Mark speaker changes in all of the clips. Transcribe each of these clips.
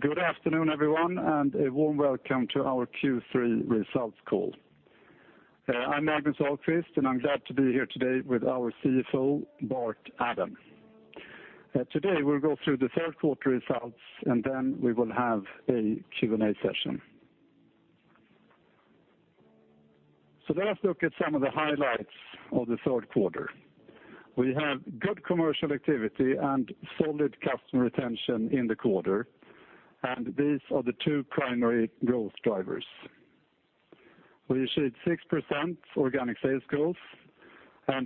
Speaker 1: Good afternoon, everyone, and a warm welcome to our Q3 results call. I'm Magnus Ahlqvist, and I'm glad to be here today with our CFO, Bart Adam. Today we'll go through the third quarter results, then we will have a Q&A session. Let us look at some of the highlights of the third quarter. We have good commercial activity and solid customer retention in the quarter, these are the two primary growth drivers. We achieved 6% organic sales growth,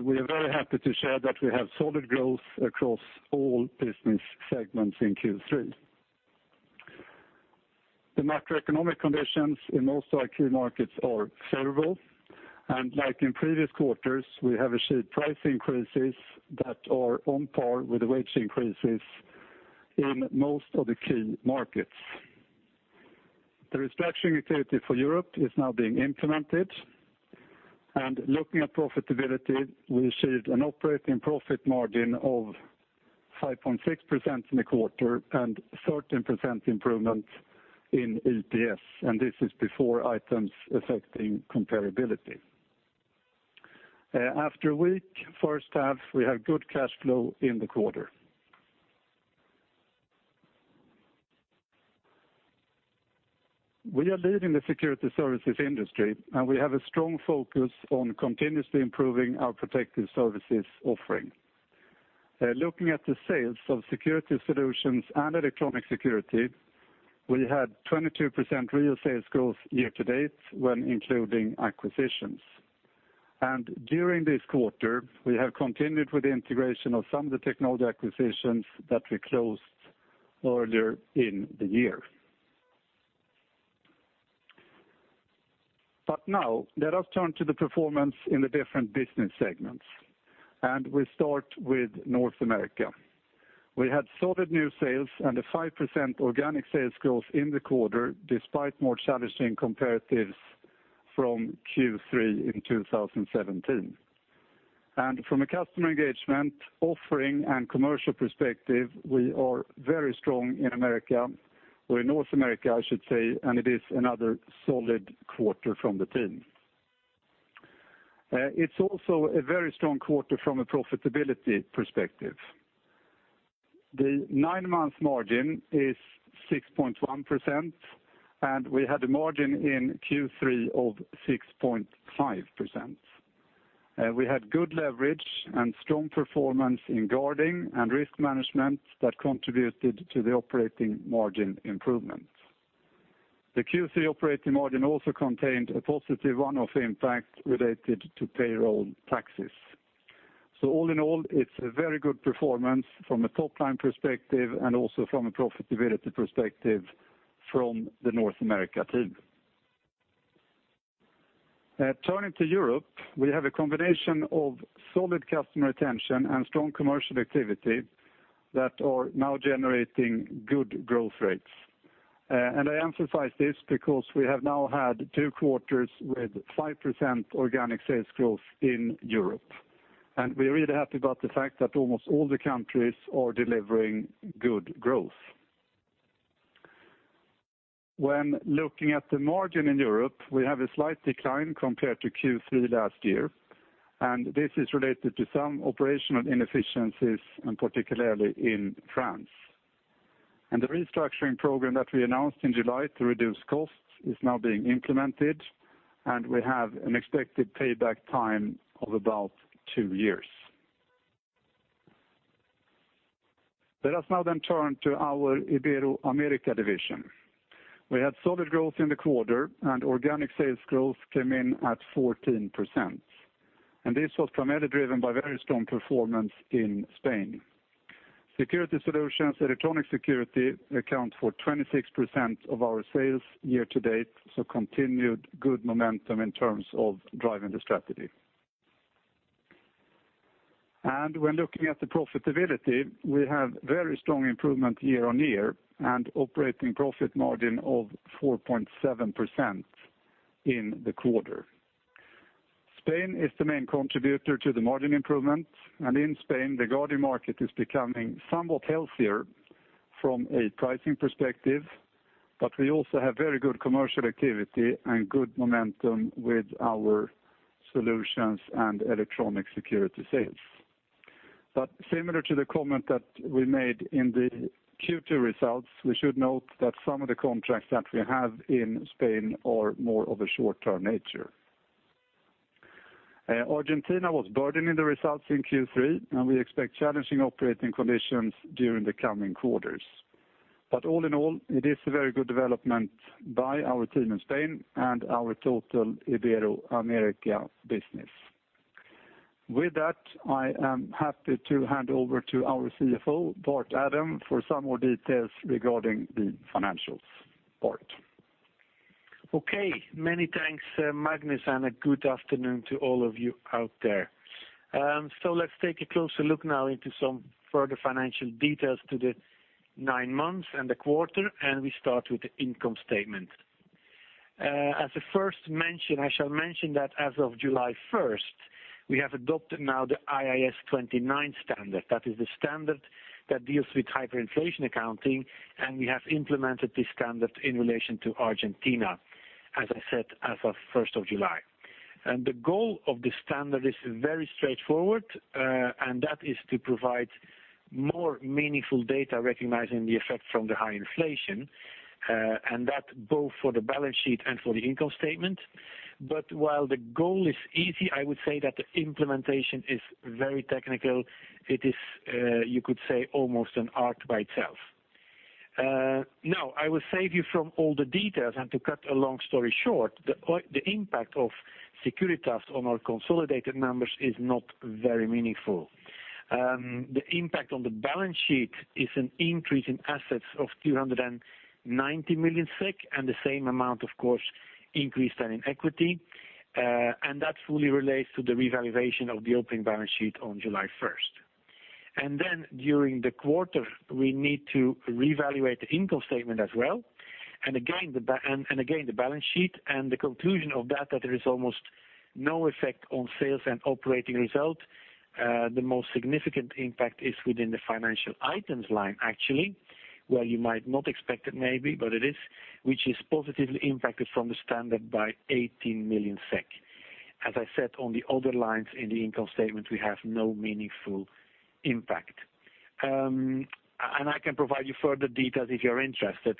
Speaker 1: we are very happy to share that we have solid growth across all business segments in Q3. The macroeconomic conditions in most of our key markets are favorable, like in previous quarters, we have achieved price increases that are on par with the wage increases in most of the key markets. The restructuring activity for Europe is now being implemented. Looking at profitability, we achieved an operating profit margin of 5.6% in the quarter 13% improvement in EPS, this is before items affecting comparability. After a weak first half, we have good cash flow in the quarter. We are leading the security services industry, we have a strong focus on continuously improving our protective services offering. Looking at the sales of security solutions and electronic security, we had 22% real sales growth year to date when including acquisitions. During this quarter, we have continued with the integration of some of the technology acquisitions that we closed earlier in the year. Let us turn to the performance in the different business segments, we start with North America. We had solid new sales a 5% organic sales growth in the quarter, despite more challenging comparatives from Q3 in 2017. From a customer engagement offering and commercial perspective, we are very strong in America, or in North America, I should say, it is another solid quarter from the team. It's also a very strong quarter from a profitability perspective. The nine-month margin is 6.1%, we had a margin in Q3 of 6.5%. We had good leverage and strong performance in guarding and risk management that contributed to the operating margin improvement. The Q3 operating margin also contained a positive one-off impact related to payroll taxes. All in all, it's a very good performance from a top-line perspective and also from a profitability perspective from the North America team. Turning to Europe, we have a combination of solid customer retention and strong commercial activity that are now generating good growth rates. I emphasize this because we have now had two quarters with 5% organic sales growth in Europe, we are really happy about the fact that almost all the countries are delivering good growth. When looking at the margin in Europe, we have a slight decline compared to Q3 last year, this is related to some operational inefficiencies, particularly in France. The restructuring program that we announced in July to reduce costs is now being implemented, we have an expected payback time of about two years. Let us now turn to our Iberoamerica division. We had solid growth in the quarter, organic sales growth came in at 14%, this was primarily driven by very strong performance in Spain. Security solutions, electronic security account for 26% of our sales year to date, continued good momentum in terms of driving the strategy. When looking at the profitability, we have very strong improvement year-over-year and operating profit margin of 4.7% in the quarter. Spain is the main contributor to the margin improvement, and in Spain, the guarding market is becoming somewhat healthier from a pricing perspective. We also have very good commercial activity and good momentum with our solutions and electronic security sales. Similar to the comment that we made in the Q2 results, we should note that some of the contracts that we have in Spain are more of a short-term nature. Argentina was burdening the results in Q3, and we expect challenging operating conditions during the coming quarters. All in all, it is a very good development by our team in Spain and our total Ibero-LATAM business. With that, I am happy to hand over to our CFO, Bart Adam, for some more details regarding the financials part.
Speaker 2: Many thanks, Magnus, and a good afternoon to all of you out there. Let's take a closer look now into some further financial details to the nine months and the quarter. We start with the income statement. As a first mention, I shall mention that as of July 1st, we have adopted now the IAS 29 standard. That is the standard that deals with hyperinflation accounting, and we have implemented this standard in relation to Argentina, as I said, as of 1st of July. The goal of the standard is very straightforward, and that is to provide more meaningful data recognizing the effect from the high inflation, and that both for the balance sheet and for the income statement. While the goal is easy, I would say that the implementation is very technical. It is, you could say, almost an art by itself. I will save you from all the details. To cut a long story short, the impact of Securitas on our consolidated numbers is not very meaningful. The impact on the balance sheet is an increase in assets of 390 million SEK and the same amount, of course, increase in equity. That fully relates to the revaluation of the opening balance sheet on July 1st. During the quarter, we need to reevaluate the income statement as well. Again, the balance sheet, the conclusion of that is there is almost no effect on sales and operating results. The most significant impact is within the financial items line, actually, where you might not expect it maybe, but it is, which is positively impacted from the standard by 18 million SEK. I can provide you further details if you're interested,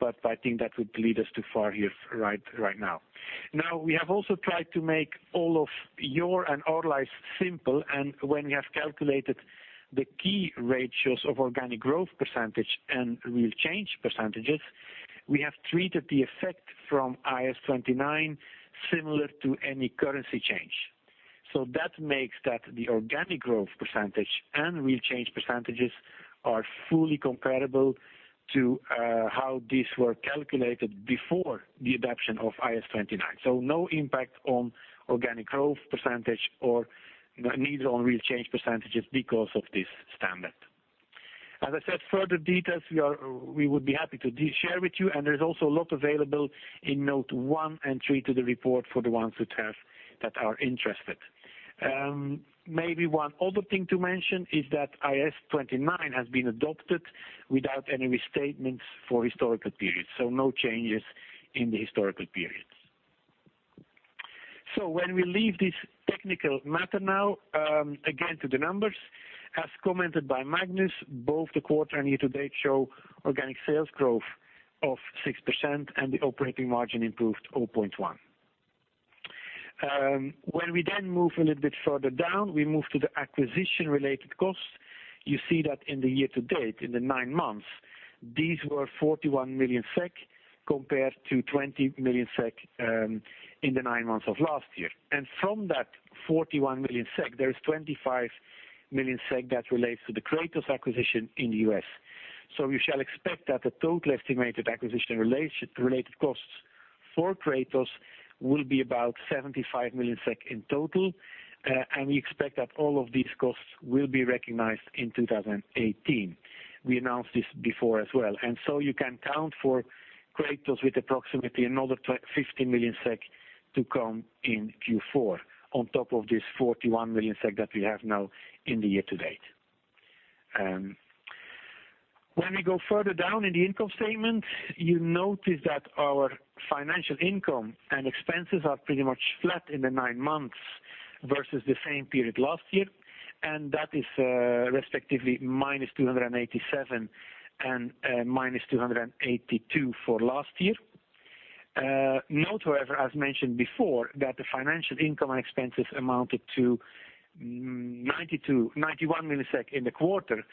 Speaker 2: but I think that would lead us too far here right now. We have also tried to make all of your and our lives simple, and when we have calculated the key ratios of organic growth % and real change %, we have treated the effect from IAS 29 similar to any currency change. That makes that the organic growth % and real change % are fully comparable to how these were calculated before the adoption of IAS 29. No impact on organic growth % or neither on real change % because of this standard. Further details, we would be happy to share with you, there's also a lot available in note one and three to the report for the ones that are interested. Maybe one other thing to mention is that IAS 29 has been adopted without any restatements for historical periods, no changes in the historical periods. When we leave this technical matter now, again, to the numbers, as commented by Magnus, both the quarter and year to date show organic sales growth of 6% and the operating margin improved 0.1. We then move a little bit further down, we move to the acquisition related costs. You see that in the year to date, in the nine months, these were 41 million SEK compared to 20 million SEK in the nine months of last year. From that 41 million SEK, there is 25 million SEK that relates to the Kratos acquisition in the U.S. We shall expect that the total estimated acquisition related costs for Kratos will be about 75 million SEK in total, and we expect that all of these costs will be recognized in 2018. We announced this before as well. You can count for Kratos with approximately another 50 million SEK to come in Q4 on top of this 41 million SEK that we have now in the year to date. We go further down in the income statement, you notice that our financial income and expenses are pretty much flat in the nine months versus the same period last year, and that is respectively minus 287 and minus 282 for last year. Note, however, as mentioned before, that the financial income and expenses amounted to 91 million in the quarter,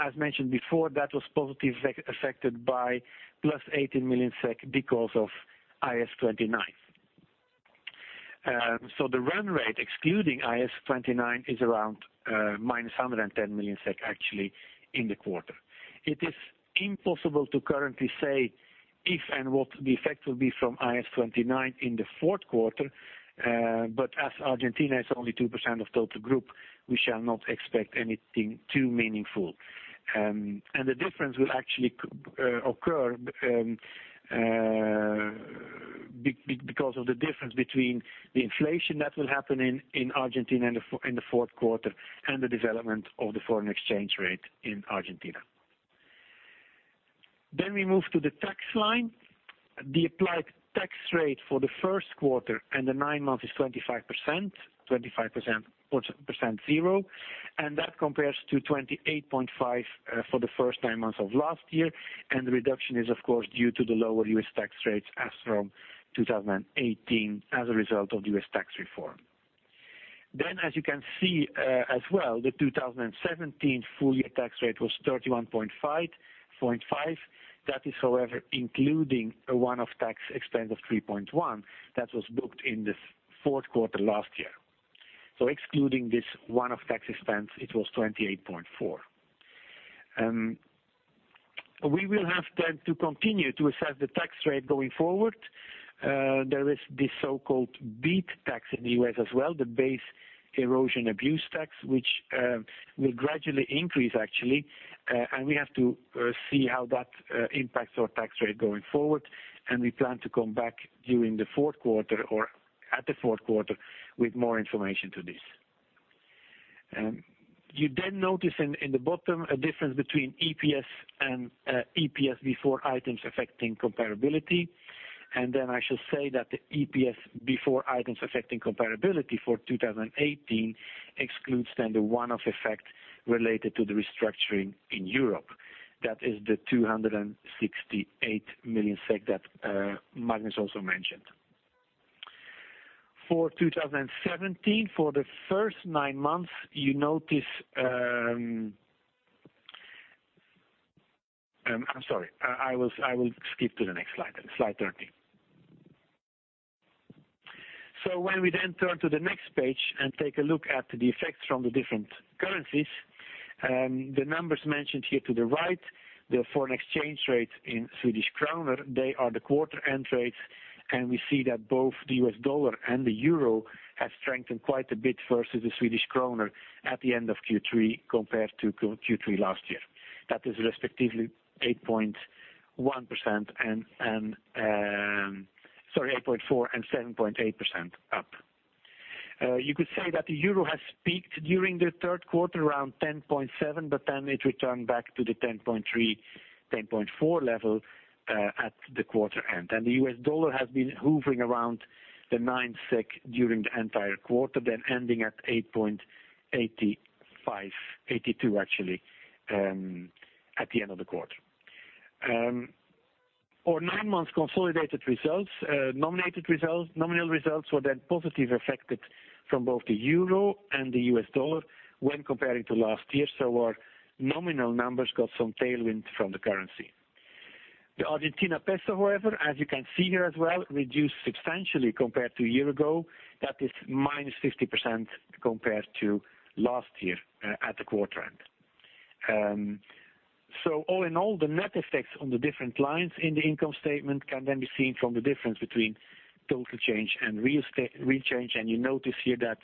Speaker 2: as mentioned before, that was positively affected by plus 18 million SEK because of IAS 29. The run rate, excluding IAS 29, is around minus 110 million SEK, actually, in the quarter. It is impossible to currently say if and what the effect will be from IAS 29 in the fourth quarter, but as Argentina is only 2% of total group, we shall not expect anything too meaningful. The difference will actually occur because of the difference between the inflation that will happen in Argentina in the fourth quarter and the development of the foreign exchange rate in Argentina. We move to the tax line. The applied tax rate for the first quarter and the nine months is 25.0%, and that compares to 28.5% for the first nine months of last year. The reduction is, of course, due to the lower U.S. tax rates as from 2018 as a result of U.S. tax reform. As you can see as well, the 2017 full year tax rate was 31.5%. That is, however, including a one-off tax expense of 3.1% that was booked in the fourth quarter last year. Excluding this one-off tax expense, it was 28.4%. We will have to continue to assess the tax rate going forward. There is this so-called BEAT tax in the U.S. as well, the Base Erosion Abuse Tax, which will gradually increase, actually, and we have to see how that impacts our tax rate going forward. We plan to come back during the fourth quarter, or at the fourth quarter, with more information to this. You notice in the bottom a difference between EPS and EPS before items affecting comparability. I should say that the EPS before items affecting comparability for 2018 excludes the one-off effect related to the restructuring in Europe. That is the 268 million SEK that Magnus also mentioned. For 2017, for the first nine months, I'm sorry. I will skip to the next slide 13. When we turn to the next page and take a look at the effects from the different currencies, the numbers mentioned here to the right, the foreign exchange rate in Swedish krona, they are the quarter-end rates. We see that both the U.S. dollar and the euro have strengthened quite a bit versus the Swedish krona at the end of Q3 compared to Q3 last year. That is respectively 8.4% and 7.8% up. You could say that the euro has peaked during the third quarter around 10.7, but it returned back to the 10.3-10.4 level at the quarter end. The U.S. dollar has been hovering around the 9 SEK during the entire quarter, ending at 8.82, actually, at the end of the quarter. For nine months consolidated results, nominal results were positively affected from both the euro and the U.S. dollar when comparing to last year. Our nominal numbers got some tailwind from the currency. The Argentina peso, however, as you can see here as well, reduced substantially compared to a year ago. That is -50% compared to last year at the quarter end. All in all, the net effects on the different lines in the income statement can be seen from the difference between total change and real change. You notice here that,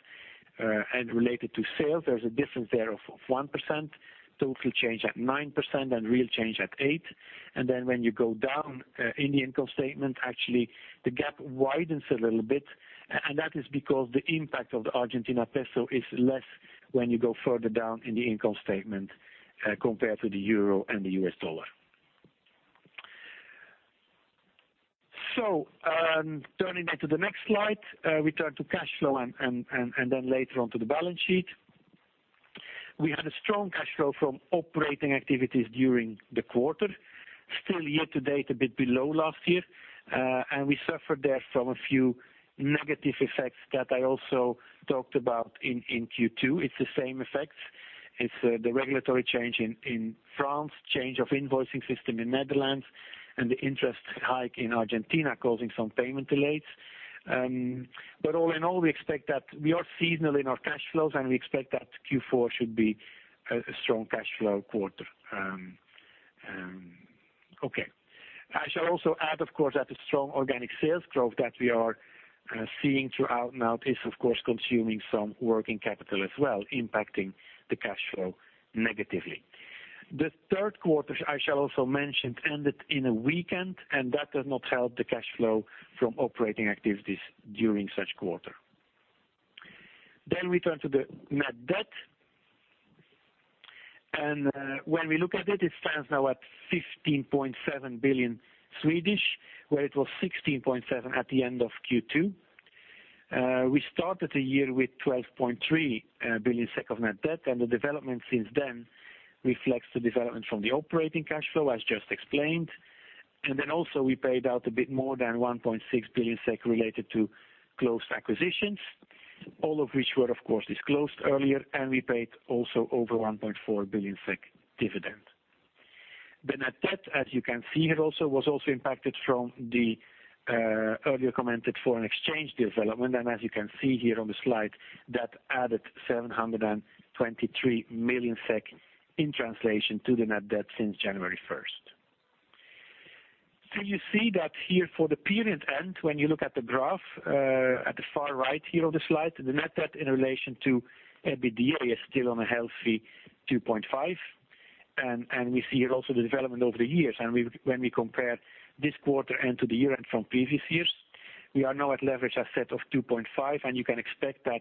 Speaker 2: related to sales, there's a difference there of 1%, total change at 9%, and real change at 8%. When you go down in the income statement, actually, the gap widens a little bit, and that is because the impact of the Argentina peso is less when you go further down in the income statement compared to the EUR and the USD. Turning now to the next slide. We turn to cash flow and then later on to the balance sheet. We had a strong cash flow from operating activities during the quarter, still year to date, a bit below last year. We suffered there from a few negative effects that I also talked about in Q2. It's the same effects. It's the regulatory change in France, change of invoicing system in Netherlands, and the interest hike in Argentina causing some payment delays. All in all, we are seasonal in our cash flows, and we expect that Q4 should be a strong cash flow quarter. Okay. I shall also add, of course, that the strong organic sales growth that we are seeing throughout now is, of course, consuming some working capital as well, impacting the cash flow negatively. The third quarter, I shall also mention, ended in a weekend, and that does not help the cash flow from operating activities during such quarter. We turn to the net debt. When we look at it stands now at 15.7 billion, where it was 16.7 at the end of Q2. We started the year with 12.3 billion SEK of net debt, and the development since then reflects the development from the operating cash flow, as just explained. Also we paid out a bit more than 1.6 billion SEK related to closed acquisitions, all of which were, of course, disclosed earlier, and we paid also over 1.4 billion SEK dividend. The net debt, as you can see here also, was also impacted from the earlier commented foreign exchange development, and as you can see here on the slide, that added 723 million SEK in translation to the net debt since January 1st. You see that here for the period end, when you look at the graph at the far right here on the slide, the net debt in relation to EBITDA is still on a healthy 2.5. We see here also the development over the years, and when we compare this quarter end to the year end from previous years, we are now at leverage asset of 2.5, and you can expect that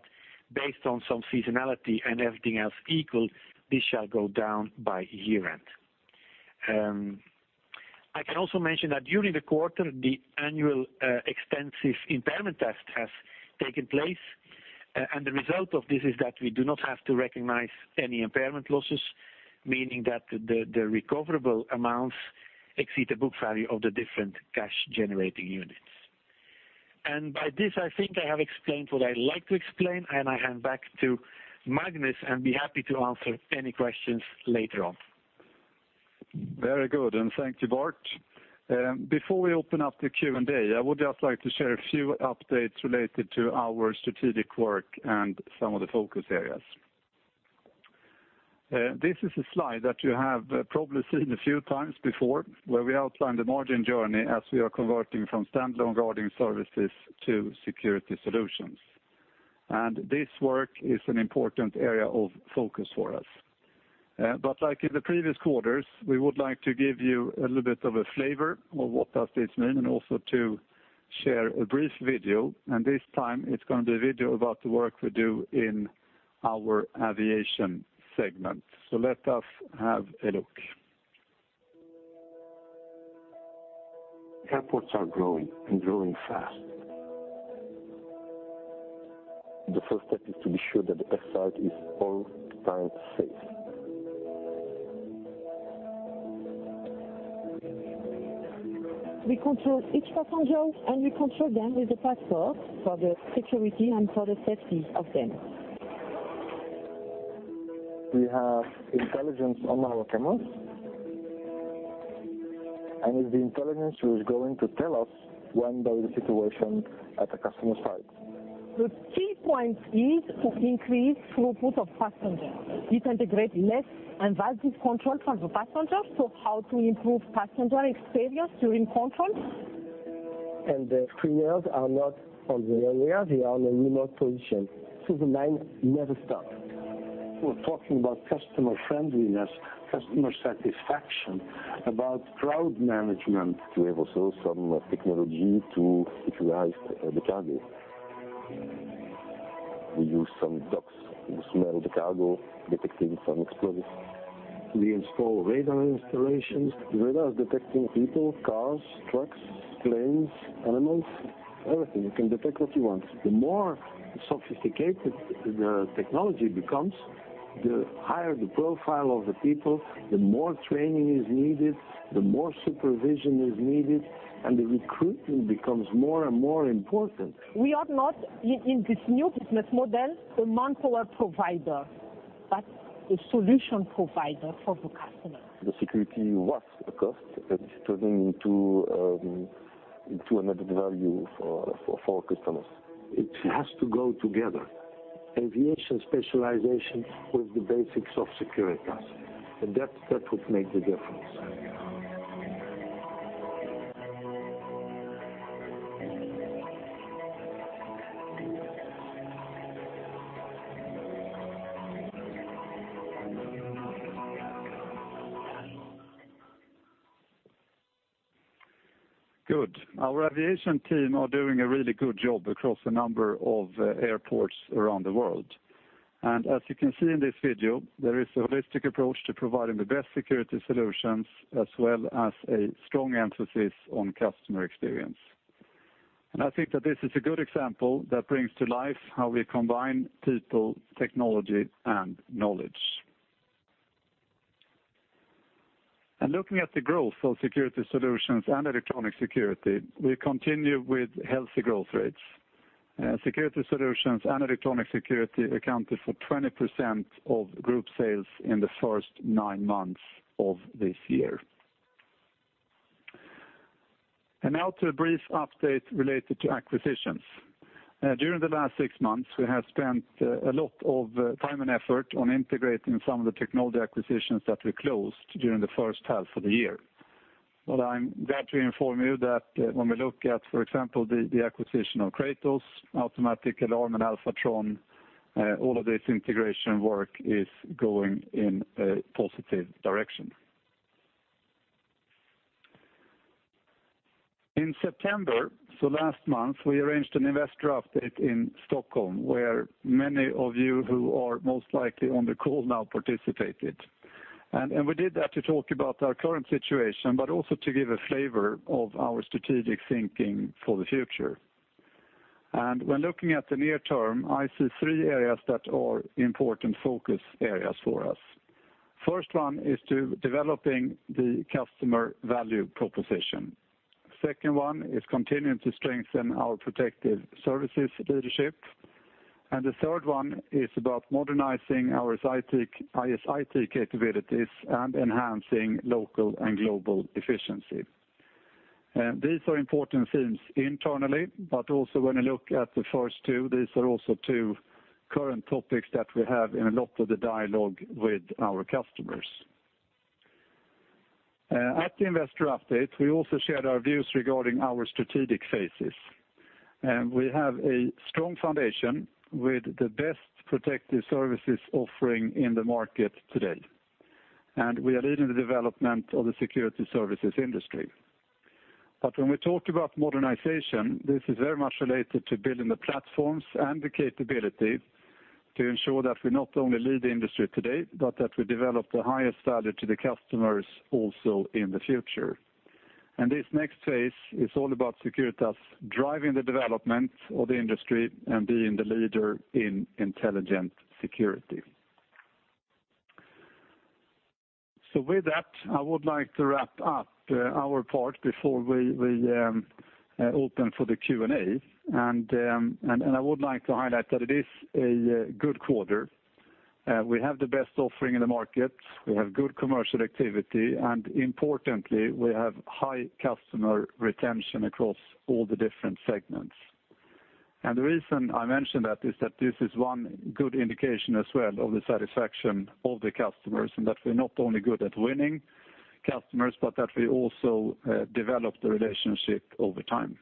Speaker 2: based on some seasonality and everything else equal, this shall go down by year end. I can also mention that during the quarter, the annual extensive impairment test has taken place, and the result of this is that we do not have to recognize any impairment losses, meaning that the recoverable amounts exceed the book value of the different cash generating units. By this, I think I have explained what I'd like to explain, and I hand back to Magnus and be happy to answer any questions later on.
Speaker 1: Thank you, Bart. Before we open up the Q&A, I would just like to share a few updates related to our strategic work and some of the focus areas. This is a slide that you have probably seen a few times before, where we outline the margin journey as we are converting from standalone guarding services to security solutions. This work is an important area of focus for us. Like in the previous quarters, we would like to give you a little bit of a flavor of what that is meant, and also to share a brief video. This time it's going to be a video about the work we do in our aviation segment. Let us have a look.
Speaker 3: Airports are growing fast. The first step is to be sure that the airport is all the time safe. We control each passenger, we control them with the passport for the security and for the safety of them. We have intelligence on our cameras. The intelligence is going to tell us when there is a situation at the customer site. The key point is to increase throughput of passengers. You can degrade less invasive control from the passenger. How to improve passenger experience during control. The screeners are not on the area, they are on a remote position. The line never stops. We're talking about customer friendliness, customer satisfaction, about crowd management. We have also some technology to visualize the cargo. We use some dogs who smell the cargo, detecting some explosives. We install radar installations. Radar is detecting people, cars, trucks, planes, animals, everything. It can detect what you want. The more sophisticated the technology becomes, the higher the profile of the people, the more training is needed, the more supervision is needed, and the recruitment becomes more and more important. We are not, in this new business model, the manpower provider, but the solution provider for the customer. The security was a cost. It turned into an added value for our customers. It has to go together. Aviation specialization with the basics of Securitas, that would make the difference.
Speaker 1: Good. Our aviation team are doing a really good job across a number of airports around the world. As you can see in this video, there is a holistic approach to providing the best security solutions as well as a strong emphasis on customer experience. I think that this is a good example that brings to life how we combine people, technology, and knowledge. Looking at the growth of security solutions and electronic security, we continue with healthy growth rates. Security solutions and electronic security accounted for 20% of group sales in the first nine months of this year. Now to a brief update related to acquisitions. During the last six months, we have spent a lot of time and effort on integrating some of the technology acquisitions that we closed during the first half of the year. I'm glad to inform you that when we look at, for example, the acquisition of Kratos, Automatic Alarm, and Alphatron, all of this integration work is going in a positive direction. In September, so last month, we arranged an investor update in Stockholm, where many of you who are most likely on the call now participated. We did that to talk about our current situation, but also to give a flavor of our strategic thinking for the future. When looking at the near term, I see three areas that are important focus areas for us. First one is to developing the customer value proposition. Second one is continuing to strengthen our protective services leadership. The third one is about modernizing our IS/IT capabilities and enhancing local and global efficiency. These are important themes internally, but also when you look at the first two, these are also two current topics that we have in a lot of the dialogue with our customers. At the investor update, we also shared our views regarding our strategic phases. We have a strong foundation with the best protective services offering in the market today. We are leading the development of the security services industry. When we talk about modernization, this is very much related to building the platforms and the capability to ensure that we not only lead the industry today, but that we develop the highest value to the customers also in the future. This next phase is all about Securitas driving the development of the industry and being the leader in intelligent security. With that, I would like to wrap up our part before we open for the Q&A. I would like to highlight that it is a good quarter. We have the best offering in the market. We have good commercial activity, and importantly, we have high customer retention across all the different segments. The reason I mention that is that this is one good indication as well of the satisfaction of the customers, and that we're not only good at winning customers, but that we also develop the relationship over time.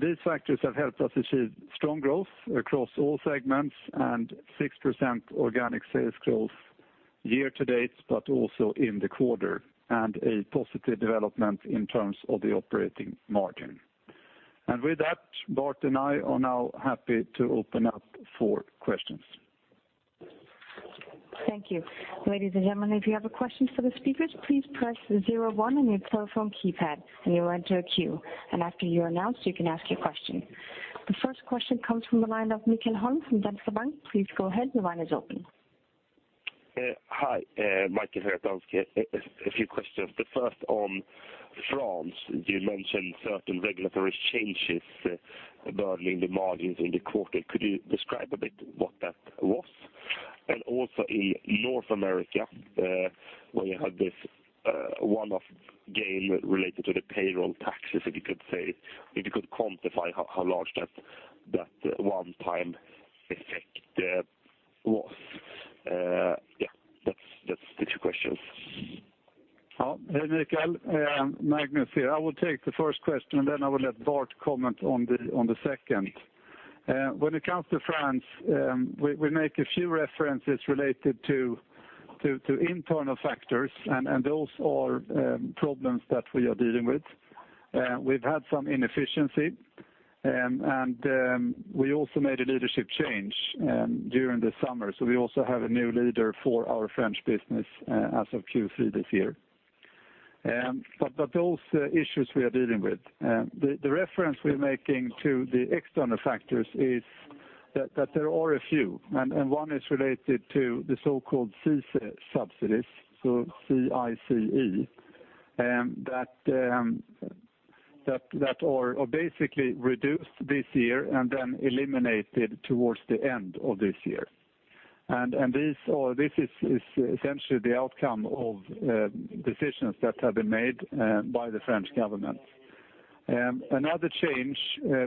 Speaker 1: These factors have helped us achieve strong growth across all segments and 6% organic sales growth year-to-date, but also in the quarter, and a positive development in terms of the operating margin. With that, Bart and I are now happy to open up for questions.
Speaker 4: Thank you. Ladies and gentlemen, if you have a question for the speakers, please press 01 on your telephone keypad and you will enter a queue. After you're announced, you can ask your question. The first question comes from the line of Mikael Holmgren from DNB Bank. Please go ahead. Your line is open.
Speaker 5: Hi. Mikael here at DNB. A few questions. The first on France. You mentioned certain regulatory changes burdening the margins in the quarter. Could you describe a bit what that was? Also in North America, where you had this one-off gain related to the payroll taxes, if you could quantify how large that one-time effect was. That's the two questions.
Speaker 1: Hi, Mikael. Magnus here. I will take the first question, and then I will let Bart comment on the second. When it comes to France, we make a few references related to internal factors, and those are problems that we are dealing with. We've had some inefficiency, and we also made a leadership change during the summer. We also have a new leader for our French business as of Q3 this year. Those issues we are dealing with. The reference we're making to the external factors is that there are a few, and one is related to the so-called CICE subsidies. CICE. That are basically reduced this year and then eliminated towards the end of this year. This is essentially the outcome of decisions that have been made by the French government. Another change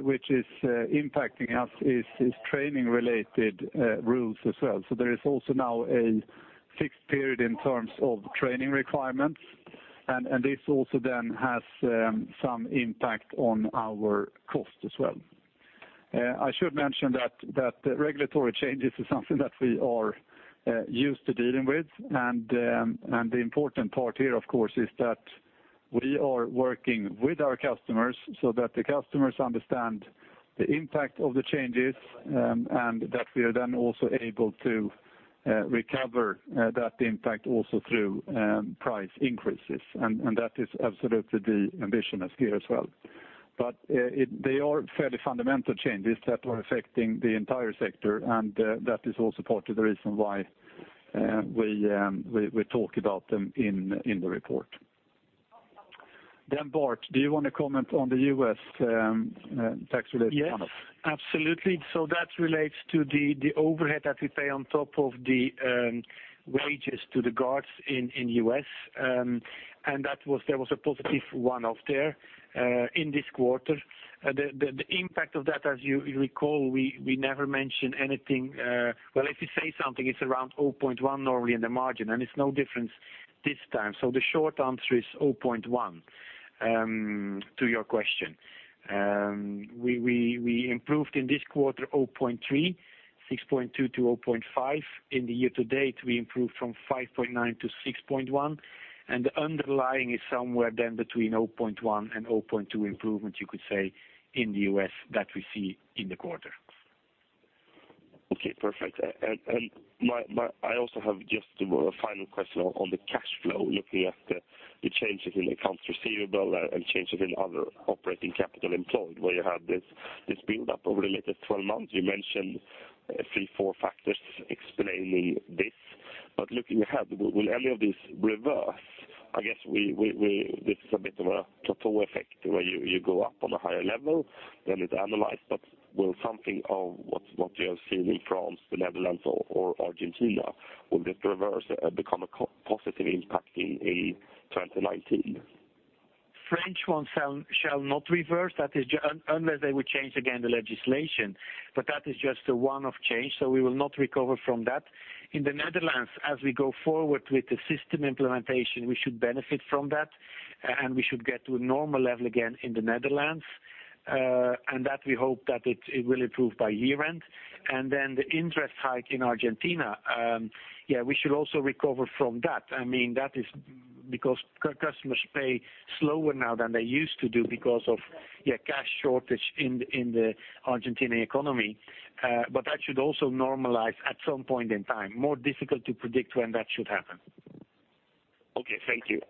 Speaker 1: which is impacting us is training related rules as well. There is also now a fixed period in terms of training requirements, and this also then has some impact on our cost as well. I should mention that regulatory changes is something that we are used to dealing with, and the important part here, of course, is that we are working with our customers so that the customers understand the impact of the changes, and that we are then also able to recover that impact also through price increases. That is absolutely the ambition here as well. They are fairly fundamental changes that are affecting the entire sector, and that is also part of the reason why we talk about them in the report. Bart, do you want to comment on the U.S. tax related one-off?
Speaker 2: Yes. Absolutely. That relates to the overhead that we pay on top of the wages to the guards in U.S., and there was a positive one-off there in this quarter. The impact of that, as you recall, we never mention anything. Well, if you say something, it's around 0.1% normally in the margin, and it's no different this time. The short answer is 0.1% to your question. We improved in this quarter 0.3%, 6.2% to 0.5%. In the year to date, we improved from 5.9% to 6.1%. The underlying is somewhere then between 0.1% and 0.2% improvement, you could say, in the U.S. that we see in the quarter.
Speaker 5: Okay, perfect. I also have just a final question on the cash flow, looking at the changes in accounts receivable and changes in other operating capital employed, where you have this build up over the latest 12 months. You mentioned three, four factors explaining this. Looking ahead, will any of these reverse? I guess this is a bit of a plateau effect where you go up on a higher level, then it's analyzed. Will something of what you have seen in France, the Netherlands or Argentina, will this reverse become a positive impact in 2019?
Speaker 2: French ones shall not reverse. That is, unless they would change again the legislation. That is just a one-off change, so we will not recover from that. In the Netherlands, as we go forward with the system implementation, we should benefit from that, and we should get to a normal level again in the Netherlands. That we hope that it will improve by year-end. The interest hike in Argentina, we should also recover from that. Because customers pay slower now than they used to do because of cash shortage in the Argentina economy. That should also normalize at some point in time. More difficult to predict when that should happen.
Speaker 5: Okay. Thank you.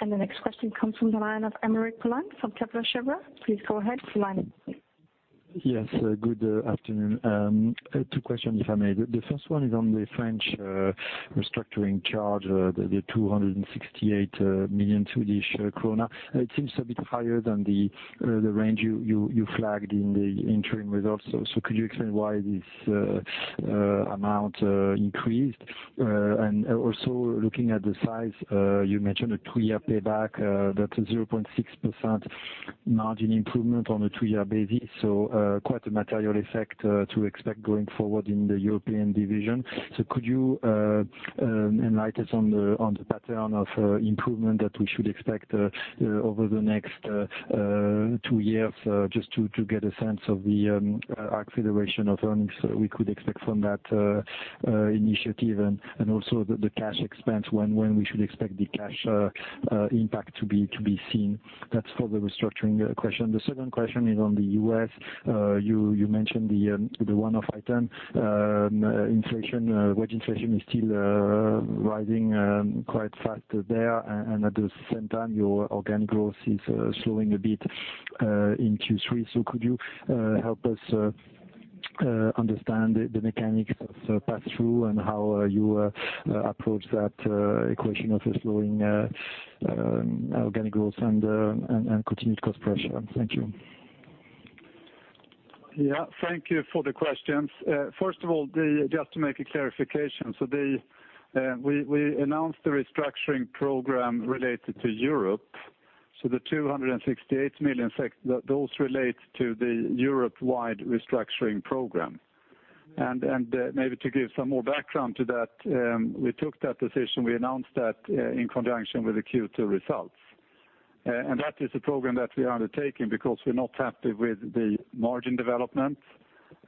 Speaker 4: The next question comes from the line of Aymeric Poulain from Kepler Cheuvreux. Please go ahead. Your line is open.
Speaker 6: Yes. Good afternoon. Two questions, if I may. The first one is on the French restructuring charge, the 268 million Swedish krona. It seems a bit higher than the range you flagged in the interim results. Could you explain why this amount increased? Also looking at the size, you mentioned a three-year payback, that 0.6% Margin improvement on a two-year basis. Quite a material effect to expect going forward in the European division. Could you enlighten us on the pattern of improvement that we should expect over the next two years, just to get a sense of the acceleration of earnings we could expect from that initiative? Also the cash expense, when we should expect the cash impact to be seen? That is for the restructuring question. The second question is on the U.S. You mentioned the one-off item. Inflation, wage inflation is still rising quite fast there, and at the same time, your organic growth is slowing a bit in Q3. Could you help us understand the mechanics of pass-through and how you approach that equation of a slowing organic growth and continued cost pressure? Thank you.
Speaker 1: Thank you for the questions. First of all, just to make a clarification. We announced the restructuring program related to Europe, the 268 million, those relate to the Europe-wide restructuring program. Maybe to give some more background to that, we took that decision, we announced that in conjunction with the Q2 results. That is a program that we are undertaking because we are not happy with the margin development.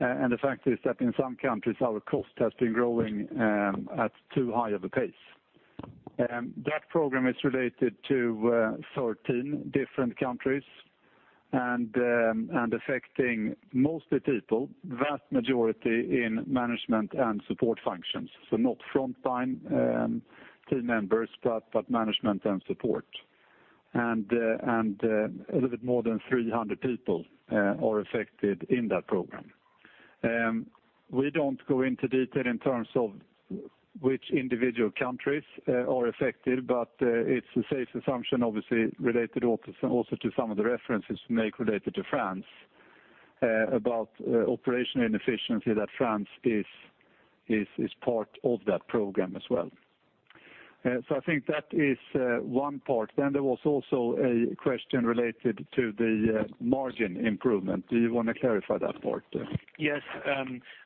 Speaker 1: The fact is that in some countries, our cost has been growing at too high of a pace. That program is related to 13 different countries and affecting mostly people, vast majority in management and support functions. Not frontline team members, but management and support. A little bit more than 300 people are affected in that program. We do not go into detail in terms of which individual countries are affected, but it is a safe assumption, obviously, related also to some of the references you make related to France about operational inefficiency, that France is part of that program as well. I think that is one part. There was also a question related to the margin improvement. Do you want to clarify that part?
Speaker 2: Yes.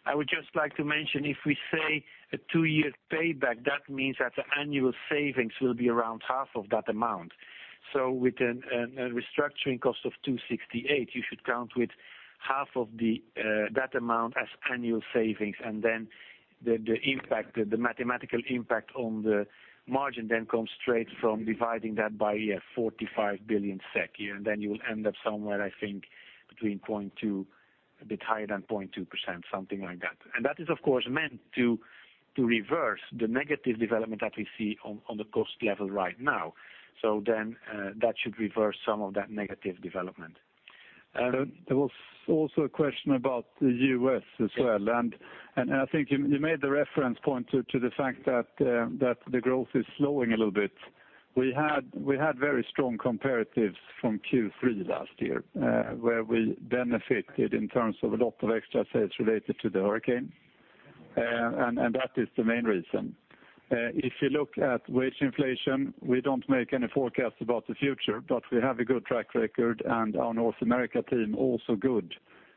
Speaker 2: I would just like to mention, if we say a two-year payback, that means that the annual savings will be around half of that amount. With a restructuring cost of 268, you should count with half of that amount as annual savings, the mathematical impact on the margin comes straight from dividing that by 45 billion SEK. You will end up somewhere, I think, between 0.2, a bit higher than 0.2%, something like that. That is, of course, meant to reverse the negative development that we see on the cost level right now. That should reverse some of that negative development.
Speaker 1: There was also a question about the U.S. as well, I think you made the reference point to the fact that the growth is slowing a little bit. We had very strong comparatives from Q3 last year, where we benefited in terms of a lot of extra sales related to the hurricane. That is the main reason. If you look at wage inflation, we don't make any forecasts about the future, but we have a good track record, our North America team also good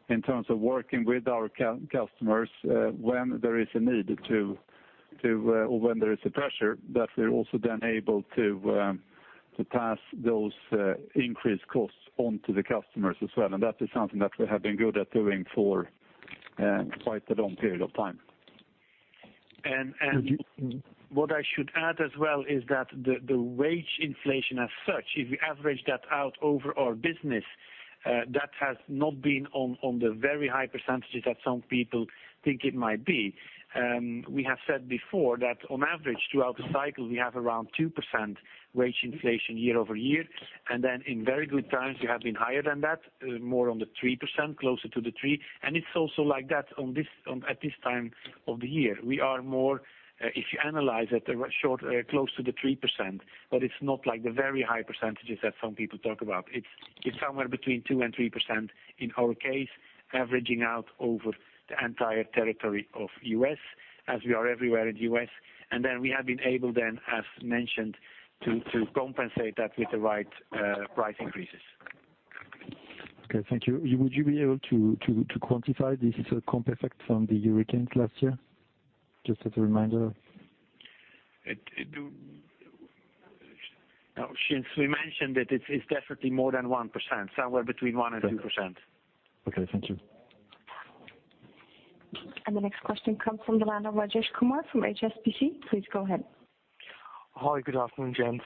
Speaker 1: in terms of working with our customers when there is a need to, or when there is a pressure, that they're also then able to pass those increased costs on to the customers as well. That is something that we have been good at doing for quite a long period of time.
Speaker 2: What I should add as well is that the wage inflation as such, if you average that out over our business, that has not been on the very high percentages that some people think it might be. We have said before that on average throughout the cycle, we have around 2% wage inflation year-over-year. Then in very good times, we have been higher than that, more on the 3%, closer to the 3%, it's also like that at this time of the year. We are more, if you analyze it, close to the 3%, but it's not like the very high percentages that some people talk about. It's somewhere between 2%-3% in our case, averaging out over the entire territory of U.S., as we are everywhere in the U.S. Then we have been able then, as mentioned, to compensate that with the right price increases.
Speaker 6: Okay. Thank you. Would you be able to quantify this comp effect from the hurricanes last year? Just as a reminder.
Speaker 2: Since we mentioned it's definitely more than 1%, somewhere between 1% and 2%.
Speaker 6: Okay. Thank you.
Speaker 4: The next question comes from the line of Rajesh Kumar from HSBC. Please go ahead.
Speaker 7: Hi. Good afternoon, gents.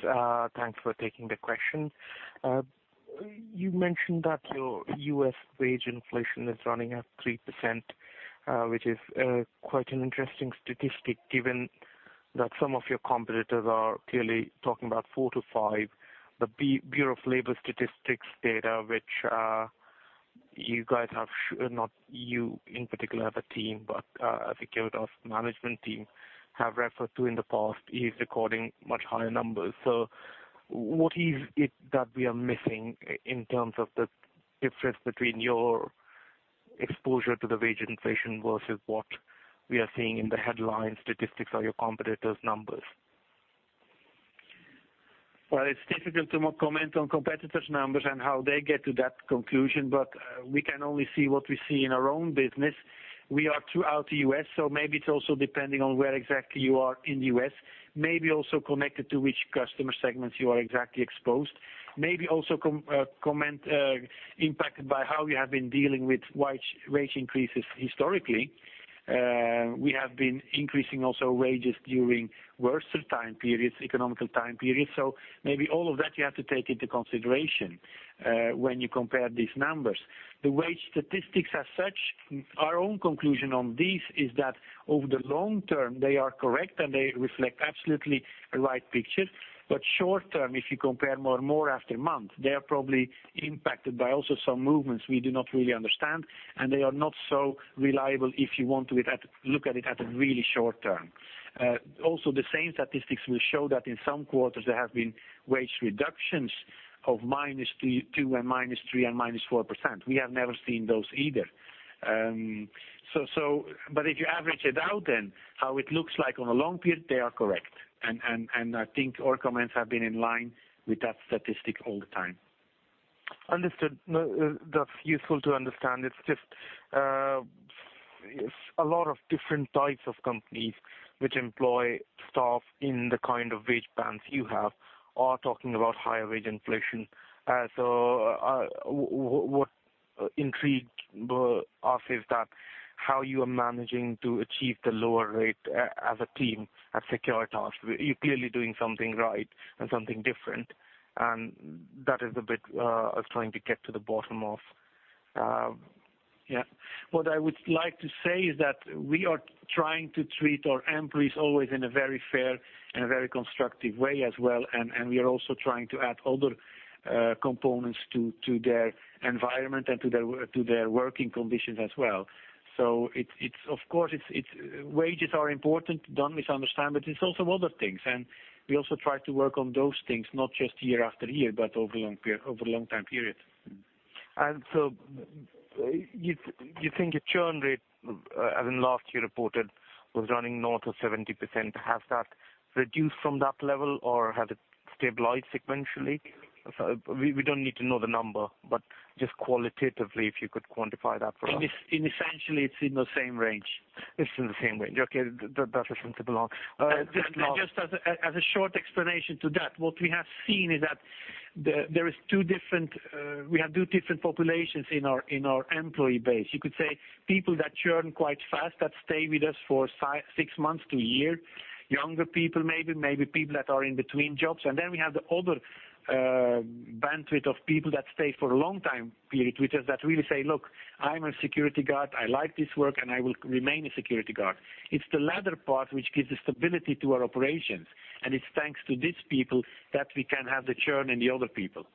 Speaker 7: Thanks for taking the question. You mentioned that your U.S. wage inflation is running at 3%, which is quite an interesting statistic given that some of your competitors are clearly talking about 4%-5%. The Bureau of Labor Statistics data, which you guys have-- not you in particular as a team, but I think Securitas management team have referred to in the past, is recording much higher numbers. What is it that we are missing in terms of the difference between your exposure to the wage inflation versus what we are seeing in the headline statistics or your competitors' numbers?
Speaker 2: It's difficult to comment on competitors' numbers and how they get to that conclusion, but we can only see what we see in our own business. We are throughout the U.S., so maybe it's also depending on where exactly you are in the U.S. Maybe also connected to which customer segments you are exactly exposed. Maybe also comment impacted by how we have been dealing with wage increases historically. We have been increasing also wages during worser time periods, economical time periods. Maybe all of that you have to take into consideration when you compare these numbers. The wage statistics as such, our own conclusion on this is that over the long term, they are correct and they reflect absolutely the right picture. Short term, if you compare month after month, they are probably impacted by also some movements we do not really understand, and they are not so reliable if you want to look at it at a really short term. Also, the same statistics will show that in some quarters there have been wage reductions of minus two and minus three and minus 4%. We have never seen those either. If you average it out then, how it looks like on a long period, they are correct, and I think our comments have been in line with that statistic all the time.
Speaker 7: Understood. That's useful to understand. It's just a lot of different types of companies which employ staff in the kind of wage bands you have are talking about higher wage inflation. What intrigued us is that how you are managing to achieve the lower rate as a team at Securitas. You're clearly doing something right and something different, and that is a bit I was trying to get to the bottom of.
Speaker 2: Yeah. What I would like to say is that we are trying to treat our employees always in a very fair and a very constructive way as well, and we are also trying to add other components to their environment and to their working conditions as well. Of course, wages are important, don't misunderstand, but it's also other things, and we also try to work on those things, not just year after year, but over long time periods.
Speaker 7: You think your churn rate, as in last year reported, was running north of 70%. Has that reduced from that level or has it stabilized sequentially? We don't need to know the number, but just qualitatively, if you could quantify that for us.
Speaker 2: Essentially, it's in the same range.
Speaker 7: It's in the same range. Okay. That's what I wanted to know.
Speaker 2: Just as a short explanation to that, what we have seen is that we have two different populations in our employee base. You could say people that churn quite fast, that stay with us for six months to a year, younger people maybe people that are in between jobs. We have the other bandwidth of people that stay for a long time period with us that really say, "Look, I am a security guard, I like this work, and I will remain a security guard." It's the latter part which gives the stability to our operations, and it's thanks to these people that we can have the churn in the other people.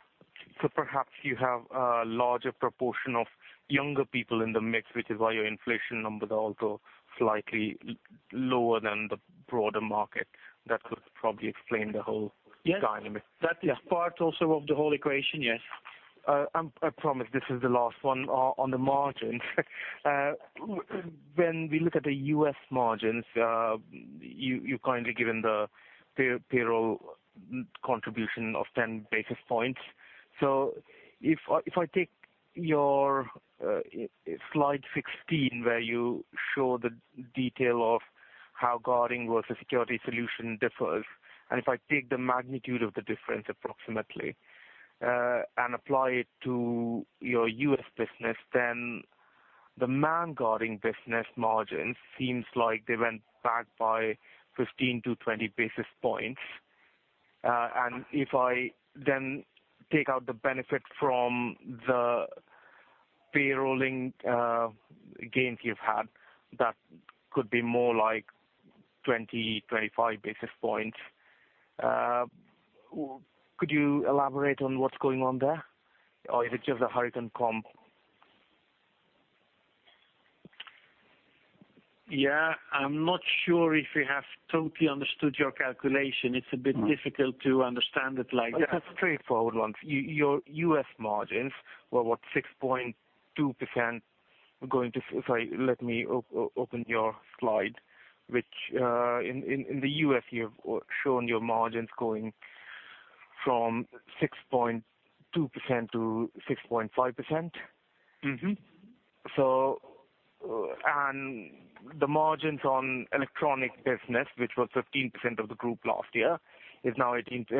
Speaker 7: Perhaps you have a larger proportion of younger people in the mix, which is why your inflation numbers are also slightly lower than the broader market. That could probably explain the whole dynamic.
Speaker 2: That is part also of the whole equation, yes.
Speaker 7: I promise this is the last one on the margins. When we look at the U.S. margins, you've kindly given the payroll contribution of 10 basis points. If I take your slide 16, where you show the detail of how guarding versus security solution differs, and if I take the magnitude of the difference approximately, and apply it to your U.S. business, then the man guarding business margins seems like they went back by 15-20 basis points. If I then take out the benefit from the payrolling gains you've had, that could be more like 20-25 basis points. Could you elaborate on what's going on there? Or is it just the hurricane comp?
Speaker 2: Yeah. I'm not sure if we have totally understood your calculation. It's a bit difficult to understand it like that.
Speaker 7: It's a straightforward one. Your U.S. margins were what, 6.2% going to Sorry, let me open your slide, which in the U.S. you have shown your margins going from 6.2% to 6.5%. The margins on electronic business, which was 15% of North America last year, is now 18%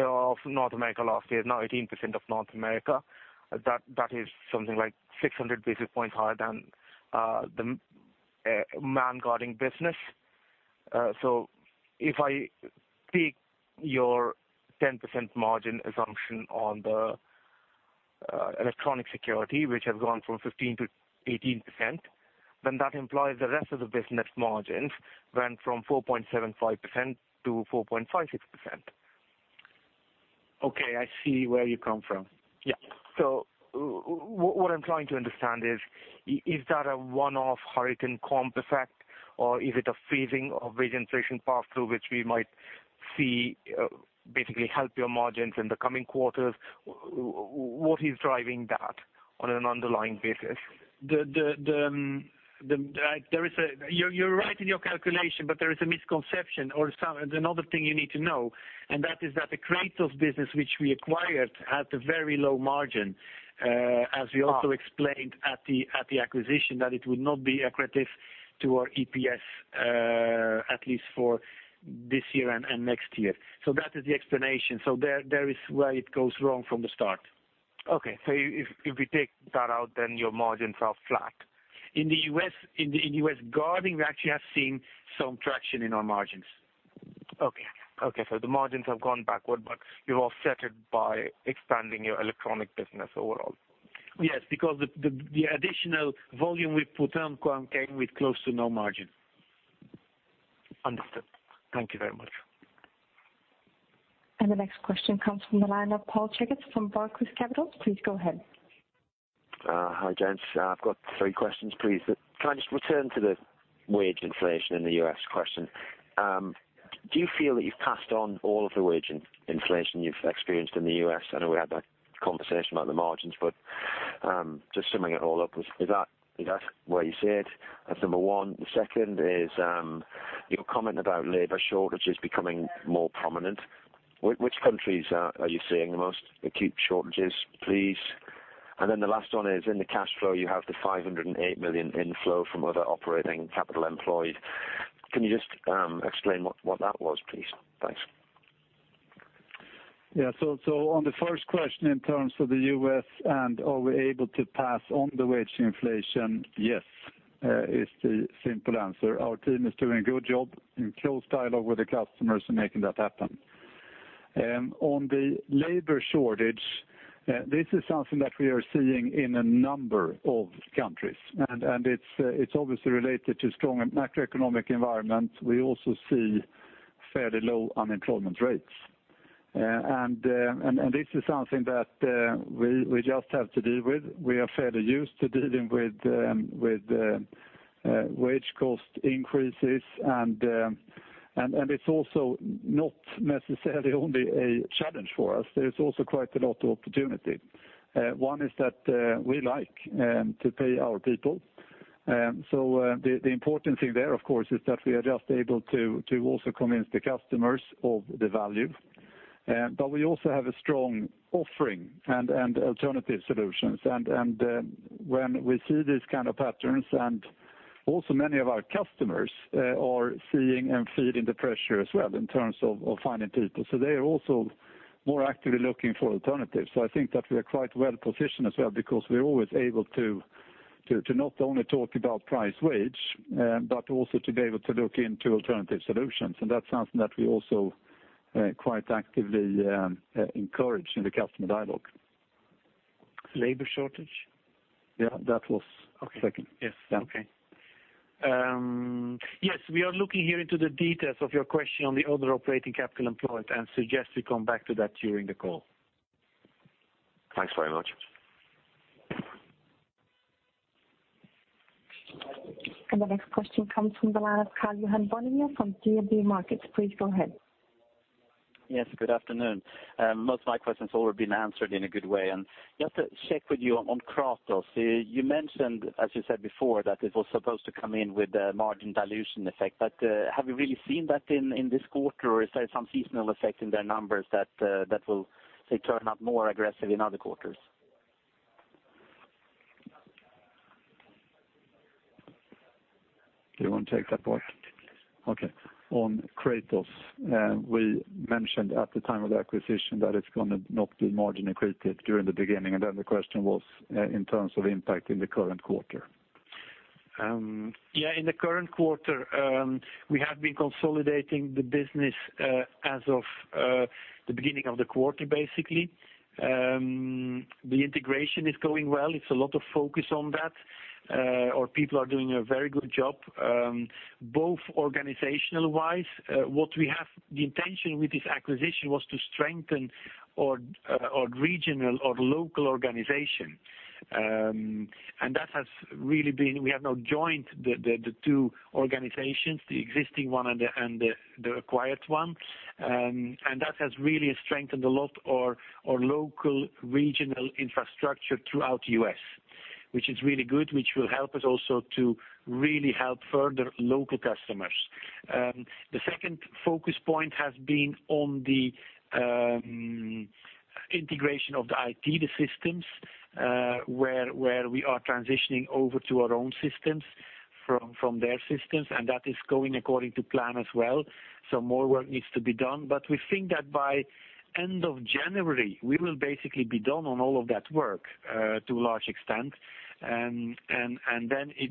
Speaker 7: of North America. That is something like 600 basis points higher than the man guarding business. If I take your 10% margin assumption on the electronic security, which has gone from 15% to 18%, then that implies the rest of the business margins went from 4.75% to 4.56%.
Speaker 2: Okay, I see where you come from.
Speaker 7: Yeah. What I'm trying to understand is that a one-off hurricane comp effect, or is it a phasing of wage inflation pass-through, which we might see, basically help your margins in the coming quarters. What is driving that on an underlying basis?
Speaker 2: You're right in your calculation, there is a misconception or another thing you need to know, that is that the Kratos business, which we acquired, had a very low margin, as we also explained at the acquisition, that it would not be accretive to our EPS, at least for this year and next year. That is the explanation. There is where it goes wrong from the start.
Speaker 7: Okay. If we take that out, your margins are flat.
Speaker 2: In the U.S. guarding, we actually have seen some traction in our margins.
Speaker 7: Okay. The margins have gone backward, you offset it by expanding your electronic business overall.
Speaker 2: Yes, because the additional volume we put on came with close to no margin.
Speaker 7: Understood. Thank you very much.
Speaker 4: The next question comes from the line of Paul Checketts from Barclays Capital. Please go ahead.
Speaker 8: Hi, gents. I've got three questions, please. Can I just return to the wage inflation in the U.S. question? Do you feel that you've passed on all of the wage inflation you've experienced in the U.S.? I know we had that conversation about the margins, just summing it all up, is that where you see it? That's number one. The second is, your comment about labor shortages becoming more prominent. Which countries are you seeing the most acute shortages, please? The last one is, in the cash flow, you have the 508 million inflow from other operating capital employed. Can you just explain what that was, please? Thanks.
Speaker 1: On the first question in terms of the U.S. and are we able to pass on the wage inflation? Yes, is the simple answer. Our team is doing a good job in close dialogue with the customers in making that happen. On the labor shortage, this is something that we are seeing in a number of countries, it's obviously related to strong macroeconomic environment. We also see fairly low unemployment rates. This is something that we just have to deal with. We are fairly used to dealing with wage cost increases, it's also not necessarily only a challenge for us. There is also quite a lot of opportunity. One is that we like to pay our people. The important thing there, of course, is that we are just able to also convince the customers of the value. We also have a strong offering and alternative solutions. When we see these kind of patterns, and also many of our customers are seeing and feeling the pressure as well in terms of finding people. They are also more actively looking for alternatives. I think that we are quite well positioned as well because we're always able to not only talk about price wage, but also to be able to look into alternative solutions. That's something that we also quite actively encourage in the customer dialogue.
Speaker 8: Labor shortage?
Speaker 1: That was second.
Speaker 2: Yes. Okay. Yes, we are looking here into the details of your question on the other operating capital employed, suggest we come back to that during the call.
Speaker 8: Thanks very much.
Speaker 4: The next question comes from the line of Karl-Johan Bonnevier from DNB Markets. Please go ahead.
Speaker 9: Yes, good afternoon. Most of my questions have already been answered in a good way. Just to check with you on Kratos. You mentioned, as you said before, that it was supposed to come in with a margin dilution effect, have you really seen that in this quarter? Is there some seasonal effect in their numbers that will turn up more aggressive in other quarters?
Speaker 1: You want to take that part? Okay. On Kratos, we mentioned at the time of the acquisition that it's going to not be margin accretive during the beginning, and then the question was in terms of impact in the current quarter.
Speaker 2: Yeah, in the current quarter, we have been consolidating the business as of the beginning of the quarter, basically. The integration is going well. It's a lot of focus on that. Our people are doing a very good job, both organizational-wise. The intention with this acquisition was to strengthen our regional or local organization. We have now joined the two organizations, the existing one and the acquired one, and that has really strengthened a lot our local regional infrastructure throughout the U.S., which is really good, which will help us also to really help further local customers. The second focus point has been on the integration of the IT, the systems, where we are transitioning over to our own systems from their systems, and that is going according to plan as well. Some more work needs to be done. We think that by end of January, we will basically be done on all of that work to a large extent. Then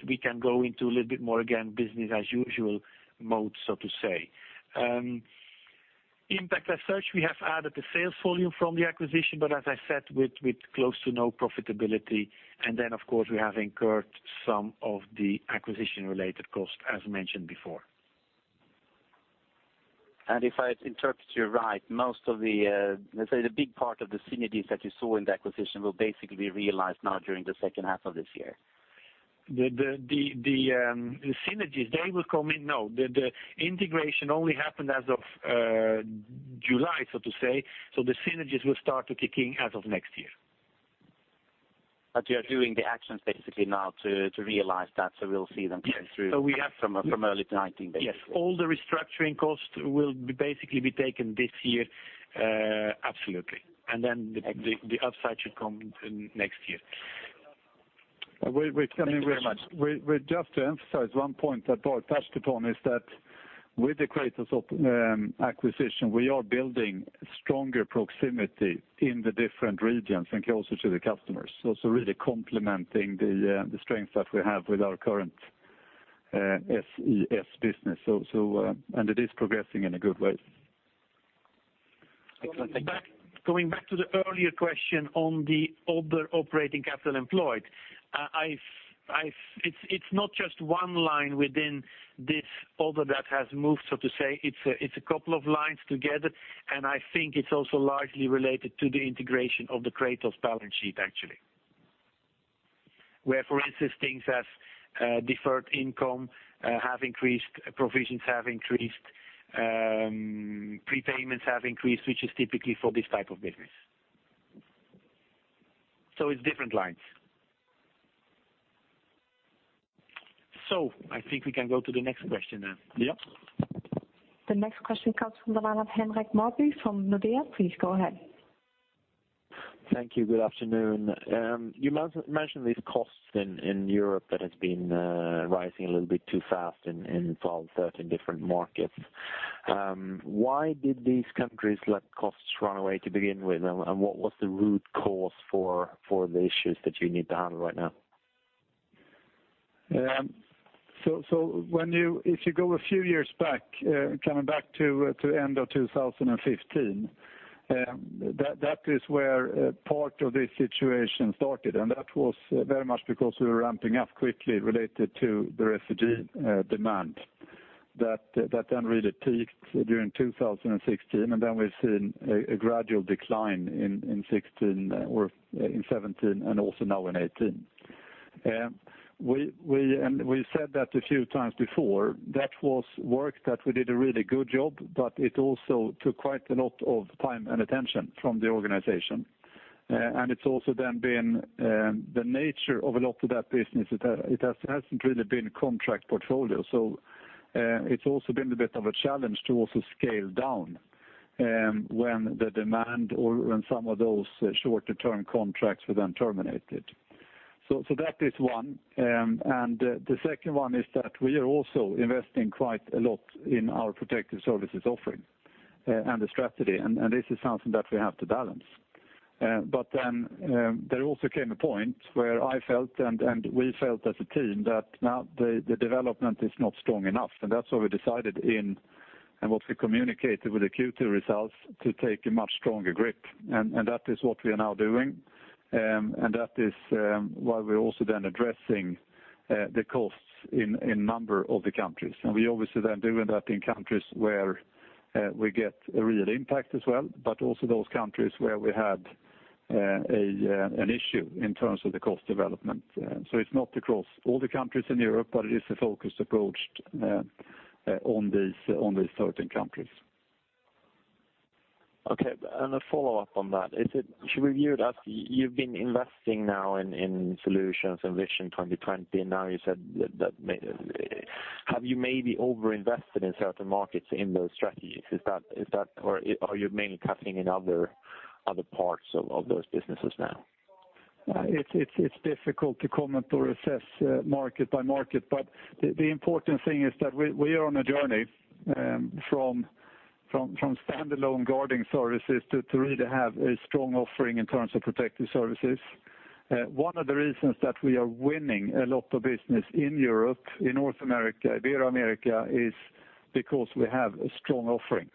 Speaker 2: we can go into a little bit more, again, business as usual mode, so to say. Impact as such, we have added the sales volume from the acquisition, but as I said, with close to no profitability. Then, of course, we have incurred some of the acquisition-related cost, as mentioned before.
Speaker 9: If I interpret you right, most of the, let's say, the big part of the synergies that you saw in the acquisition will basically be realized now during the second half of this year?
Speaker 2: The synergies, they will come in. The integration only happened as of July, so to say. The synergies will start to kick in as of next year.
Speaker 9: You are doing the actions basically now to realize that so we'll see them come through-
Speaker 2: Yes.
Speaker 9: -from early 2019 basically.
Speaker 2: Yes. All the restructuring costs will basically be taken this year. Absolutely. The upside should come next year.
Speaker 9: Thank you very much.
Speaker 1: Just to emphasize one point that Bart touched upon is that with the Kratos acquisition, we are building stronger proximity in the different regions and closer to the customers. Really complementing the strength that we have with our current SES business. It is progressing in a good way.
Speaker 9: Excellent. Thank you.
Speaker 2: Going back to the earlier question on the other operating capital employed. It's not just one line within this other that has moved, so to say. It's a couple of lines together, I think it's also largely related to the integration of the Kratos balance sheet, actually. Where, for instance, things as deferred income have increased, provisions have increased, prepayments have increased, which is typically for this type of business. It's different lines. I think we can go to the next question now.
Speaker 9: Yeah.
Speaker 4: The next question comes from the line of Henrik Marby from Nordea. Please go ahead.
Speaker 10: Thank you. Good afternoon. You mentioned these costs in Europe that has been rising a little bit too fast in 12, 13 different markets. Why did these countries let costs run away to begin with? What was the root cause for the issues that you need to handle right now?
Speaker 1: If you go a few years back, coming back to end of 2015, that is where part of this situation started, that was very much because we were ramping up quickly related to the refugee demand that then really peaked during 2016, we've seen a gradual decline in 2016 or in 2017 and also now in 2018. We said that a few times before, that was work that we did a really good job, but it also took quite a lot of time and attention from the organization. It's also then been the nature of a lot of that business. It hasn't really been contract portfolio. It's also been a bit of a challenge to also scale down when the demand or when some of those shorter-term contracts were then terminated. That is one. The second one is that we are also investing quite a lot in our protective services offering and the strategy, this is something that we have to balance. There also came a point where I felt, and we felt as a team, that now the development is not strong enough. That's why we decided in, what we communicated with the Q2 results, to take a much stronger grip. That is what we are now doing, that is why we're also then addressing the costs in number of the countries. We obviously then doing that in countries where we get a real impact as well, but also those countries where we had an issue in terms of the cost development. It's not across all the countries in Europe, but it is a focused approach on these certain countries.
Speaker 10: Okay. A follow-up on that. You've been investing now in solutions and Vision 2020. Have you maybe over-invested in certain markets in those strategies? Or are you mainly cutting in other parts of those businesses now?
Speaker 1: It's difficult to comment or assess market by market. The important thing is that we are on a journey from standalone guarding services to really have a strong offering in terms of protective services. One of the reasons that we are winning a lot of business in Europe, in North America, Ibero-America, is because we have a strong offering.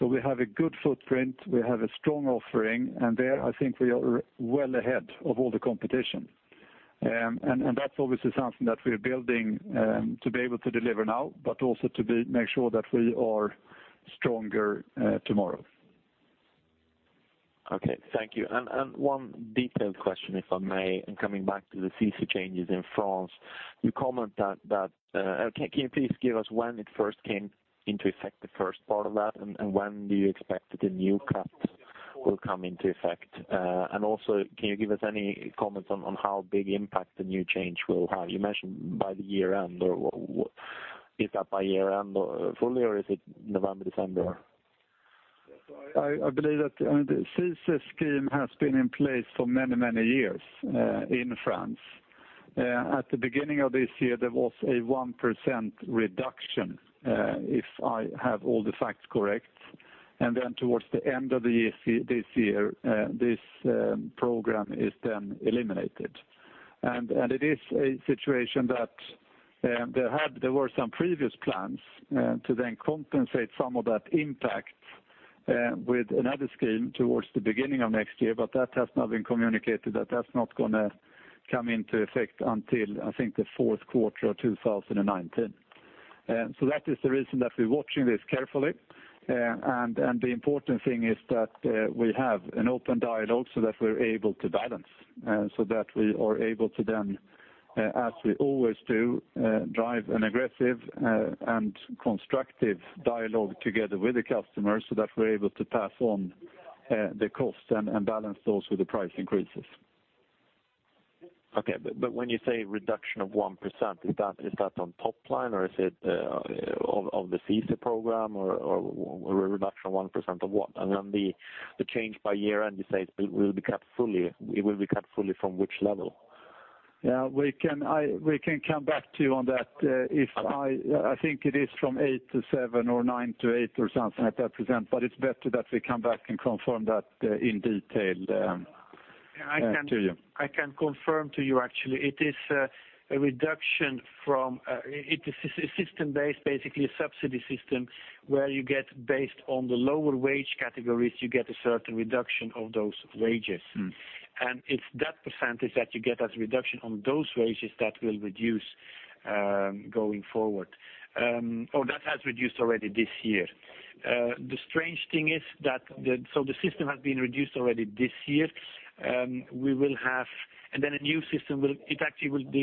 Speaker 1: We have a good footprint, we have a strong offering, and there, I think we are well ahead of all the competition. That's obviously something that we're building to be able to deliver now, but also to make sure that we are stronger tomorrow.
Speaker 10: Okay. Thank you. One detailed question, if I may, coming back to the CICE changes in France. Can you please give us when it first came into effect, the first part of that, and when do you expect the new cut will come into effect? Also, can you give us any comments on how big impact the new change will have? You mentioned by the year-end, or is that by year-end fully, or is it November, December?
Speaker 1: I believe that the CICE scheme has been in place for many years in France. At the beginning of this year, there was a 1% reduction, if I have all the facts correct. Then towards the end of this year, this program is then eliminated. It is a situation that there were some previous plans to then compensate some of that impact with another scheme towards the beginning of next year, but that has now been communicated that that's not going to come into effect until, I think, the fourth quarter of 2019. That is the reason that we're watching this carefully. The important thing is that we have an open dialogue so that we're able to balance, so that we are able to then, as we always do, drive an aggressive and constructive dialogue together with the customers so that we're able to pass on the cost and balance those with the price increases.
Speaker 10: Okay. When you say reduction of 1%, is that on top line or is it of the SCIS program or reduction of 1% of what? The change by year end, you say it will be cut fully. It will be cut fully from which level?
Speaker 1: Yeah, we can come back to you on that. I think it is from eight to seven or nine to eight or something like that%, but it's better that we come back and confirm that in detail to you.
Speaker 2: I can confirm to you, actually, it is a reduction from a system base, basically a subsidy system where you get based on the lower wage categories, you get a certain reduction of those wages. It's that percentage that you get as a reduction on those wages that will reduce going forward. That has reduced already this year. The strange thing is that, the system has been reduced already this year. The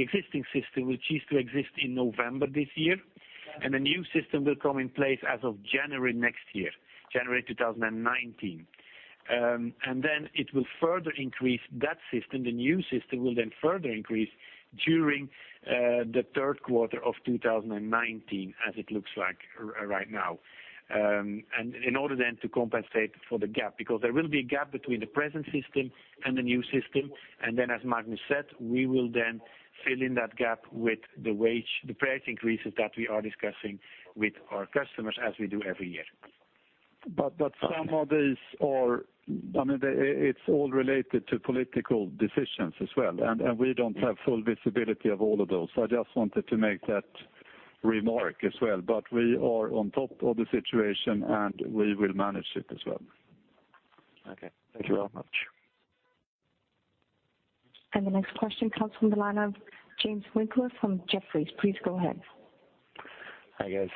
Speaker 2: existing system will cease to exist in November this year, and a new system will come in place as of January next year, January 2019. It will further increase that system, the new system will then further increase during the third quarter of 2019, as it looks like right now. To compensate for the gap, because there will be a gap between the present system and the new system, as Magnus said, we will then fill in that gap with the price increases that we are discussing with our customers as we do every year.
Speaker 1: It's all related to political decisions as well, and we don't have full visibility of all of those. I just wanted to make that remark as well. We are on top of the situation and we will manage it as well.
Speaker 10: Okay. Thank you very much.
Speaker 4: The next question comes from the line of James Winckless from Jefferies. Please go ahead.
Speaker 11: Hi, guys.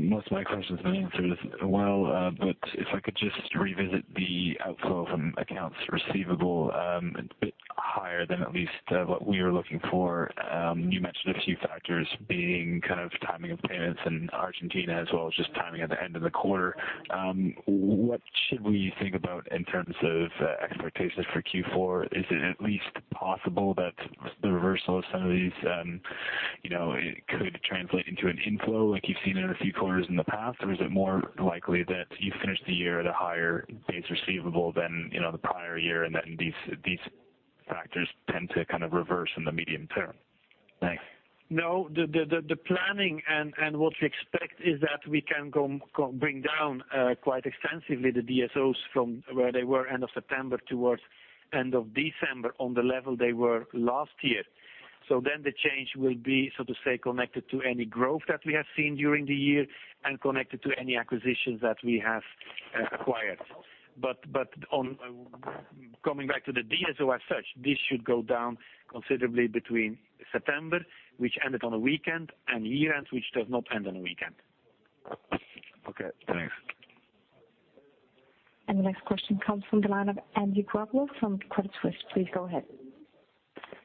Speaker 11: Most of my questions have been answered as well, if I could just revisit the outflow from accounts receivable, a bit higher than at least what we are looking for. You mentioned a few factors being timing of payments in Argentina as well as just timing at the end of the quarter. What should we think about in terms of expectations for Q4? Is it at least possible that the reversal of some of these could translate into an inflow like you've seen in a few quarters in the past? Is it more likely that you finish the year at a higher base receivable than the prior year, and then these factors tend to reverse in the medium term? Thanks.
Speaker 2: No, the planning and what we expect is that we can bring down quite extensively the DSOs from where they were end of September towards end of December on the level they were last year. The change will be, so to say, connected to any growth that we have seen during the year and connected to any acquisitions that we have acquired. Coming back to the DSO as such, this should go down considerably between September, which ended on a weekend, and year-end, which does not end on a weekend.
Speaker 11: Okay, thanks.
Speaker 4: The next question comes from the line of Andrew Grobler from Credit Suisse. Please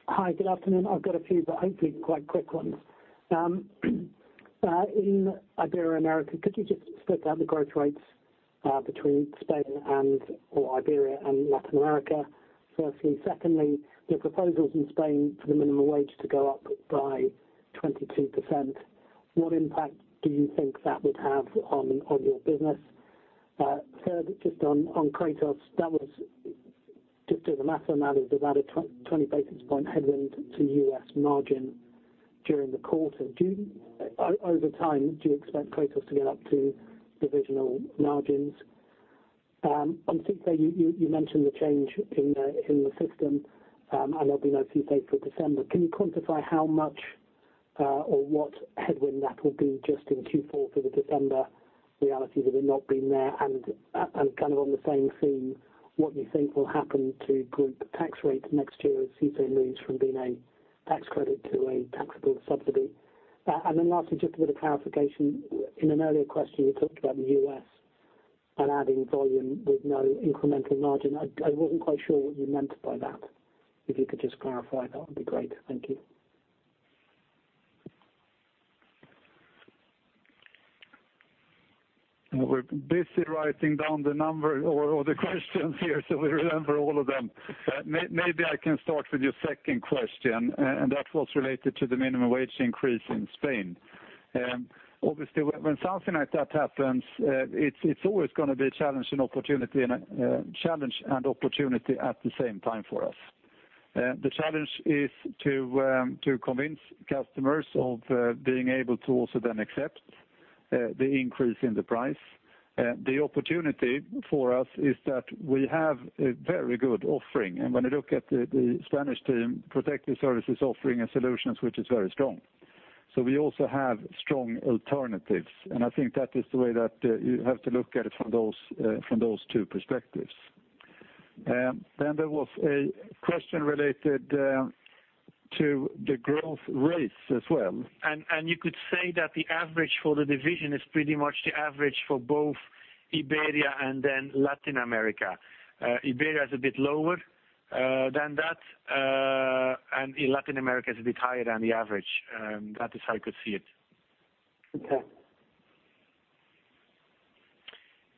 Speaker 4: go ahead.
Speaker 12: Hi, good afternoon. I've got a few, but hopefully quite quick ones. In Iberia and America, could you just split out the growth rates between Spain and or Iberia and Latin America, firstly? Secondly, the proposals in Spain for the minimum wage to go up by 22%, what impact do you think that would have on your business? Third, just on Kratos, that was just as a matter of matter, about a 20 basis point headwind to U.S. margin during the quarter. Over time, do you expect Kratos to get up to divisional margins? On SCIS, you mentioned the change in the system, and there'll be no SCIS for December. Can you quantify how much or what headwind that will be just in Q4 for the December reality that had not been there? On the same theme, what you think will happen to group tax rates next year as SCIS moves from being a tax credit to a taxable subsidy? Lastly, just a bit of clarification. In an earlier question, you talked about the U.S. and adding volume with no incremental margin. I wasn't quite sure what you meant by that. If you could just clarify, that would be great. Thank you.
Speaker 1: We're busy writing down the number or the questions here, so we remember all of them. Maybe I can start with your second question, and that was related to the minimum wage increase in Spain. Obviously, when something like that happens, it's always going to be a challenge and opportunity at the same time for us. The challenge is to convince customers of being able to also then accept the increase in the price. The opportunity for us is that we have a very good offering. When you look at the Spanish team, Protective Services offering a solutions which is very strong. We also have strong alternatives, and I think that is the way that you have to look at it from those two perspectives. There was a question related to the growth rates as well.
Speaker 2: You could say that the average for the division is pretty much the average for both Iberia and then Latin America. Iberia is a bit lower than that, and Latin America is a bit higher than the average. That is how you could see it.
Speaker 1: Okay.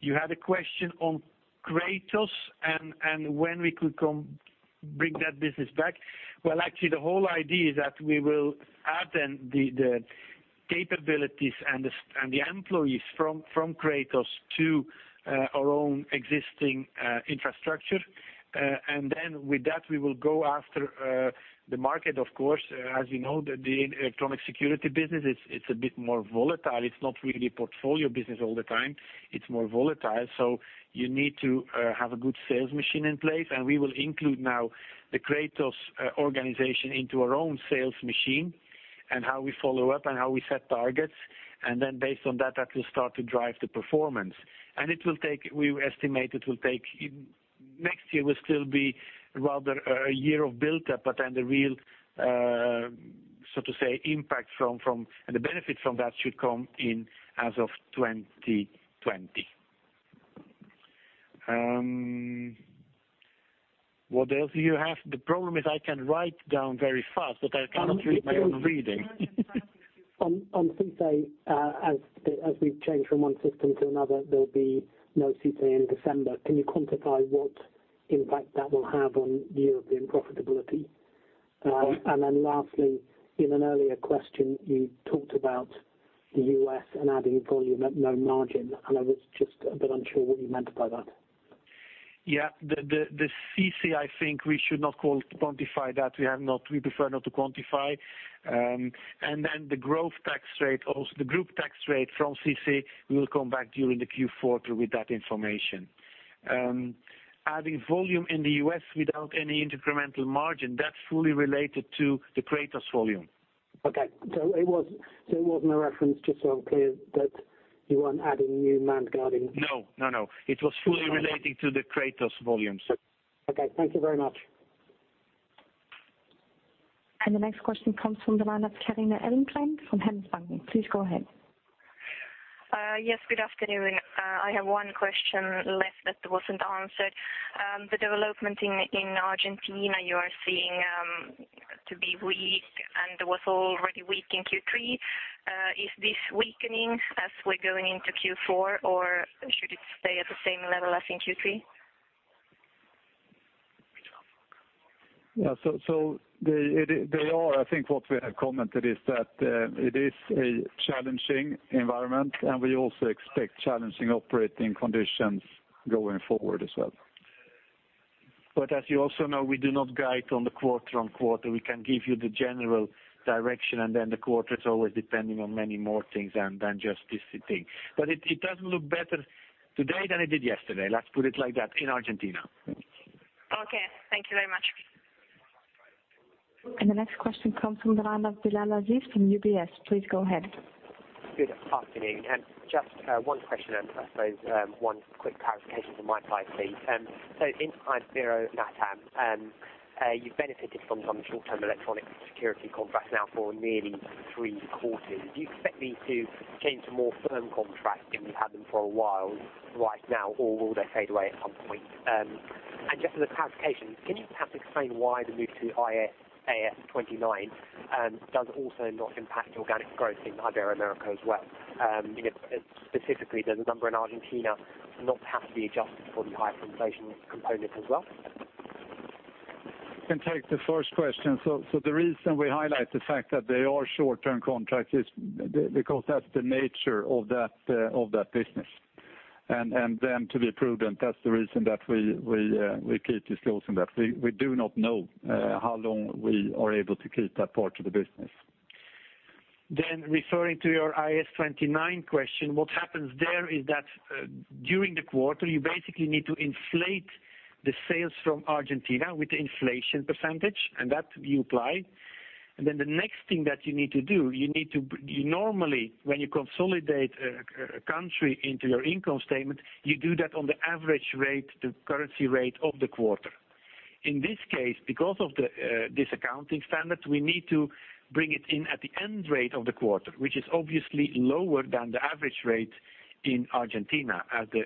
Speaker 2: You had a question on Kratos and when we could bring that business back. Well, actually, the whole idea is that we will add in the capabilities and the employees from Kratos to our own existing infrastructure. With that, we will go after the market, of course. As you know, the electronic security business, it's a bit more volatile. It's not really portfolio business all the time. It's more volatile. You need to have a good sales machine in place, and we will include now the Kratos organization into our own sales machine, and how we follow up and how we set targets. Based on that will start to drive the performance. We estimate next year will still be rather a year of buildup, but the real impact and the benefit from that should come in as of 2020. What else do you have? The problem is I can write down very fast, but I cannot read my own reading.
Speaker 12: On CC, as we change from one system to another, there will be no CC in December. Can you quantify what impact that will have on European profitability? Lastly, in an earlier question, you talked about the U.S. and adding volume at no margin, and I was just a bit unsure what you meant by that.
Speaker 2: Yeah. The CC, I think we should not quantify that. We prefer not to quantify. The group tax rate from CC, we will come back during the Q4 with that information. Adding volume in the U.S. without any incremental margin, that's fully related to the Kratos volume.
Speaker 12: It was no reference, just so I'm clear, that you weren't adding new man guarding.
Speaker 2: No. It was fully relating to the Kratos volumes.
Speaker 12: Okay. Thank you very much.
Speaker 4: The next question comes from the line of Carina Englund from Handelsbanken. Please go ahead.
Speaker 13: Yes, good afternoon. I have one question left that wasn't answered. The development in Argentina you are seeing to be weak and was already weak in Q3. Is this weakening as we're going into Q4 or should it stay at the same level as in Q3?
Speaker 1: Yeah. I think what we have commented is that it is a challenging environment, and we also expect challenging operating conditions going forward as well.
Speaker 2: As you also know, we do not guide on the quarter-on-quarter. We can give you the general direction, and then the quarter is always depending on many more things than just this thing. It doesn't look better today than it did yesterday, let's put it like that, in Argentina.
Speaker 13: Okay. Thank you very much.
Speaker 4: The next question comes from the line of Bilal Aziz from UBS. Please go ahead.
Speaker 14: Good afternoon. Just one question and I suppose one quick clarification from my side, please. In Ibero-LATAM, you've benefited from some short-term electronic security contracts now for nearly three quarters. Do you expect these to change to more firm contracts if you've had them for a while right now, or will they fade away at some point? Just as a clarification, can you perhaps explain why the move to IAS 29 does also not impact organic growth in Ibero-America as well? Specifically, does the number in Argentina not have to be adjusted for the higher inflation component as well?
Speaker 1: I can take the first question. The reason we highlight the fact that they are short-term contracts is because that's the nature of that business. To be prudent, that's the reason that we keep disclosing that. We do not know how long we are able to keep that part of the business.
Speaker 2: Referring to your IAS 29 question, what happens there is that during the quarter, you basically need to inflate the sales from Argentina with the inflation %, and that you apply. The next thing that you need to do, you need to normally, when you consolidate a country into your income statement, you do that on the average rate, the currency rate of the quarter. In this case, because of this accounting standard, we need to bring it in at the end rate of the quarter, which is obviously lower than the average rate in Argentina as the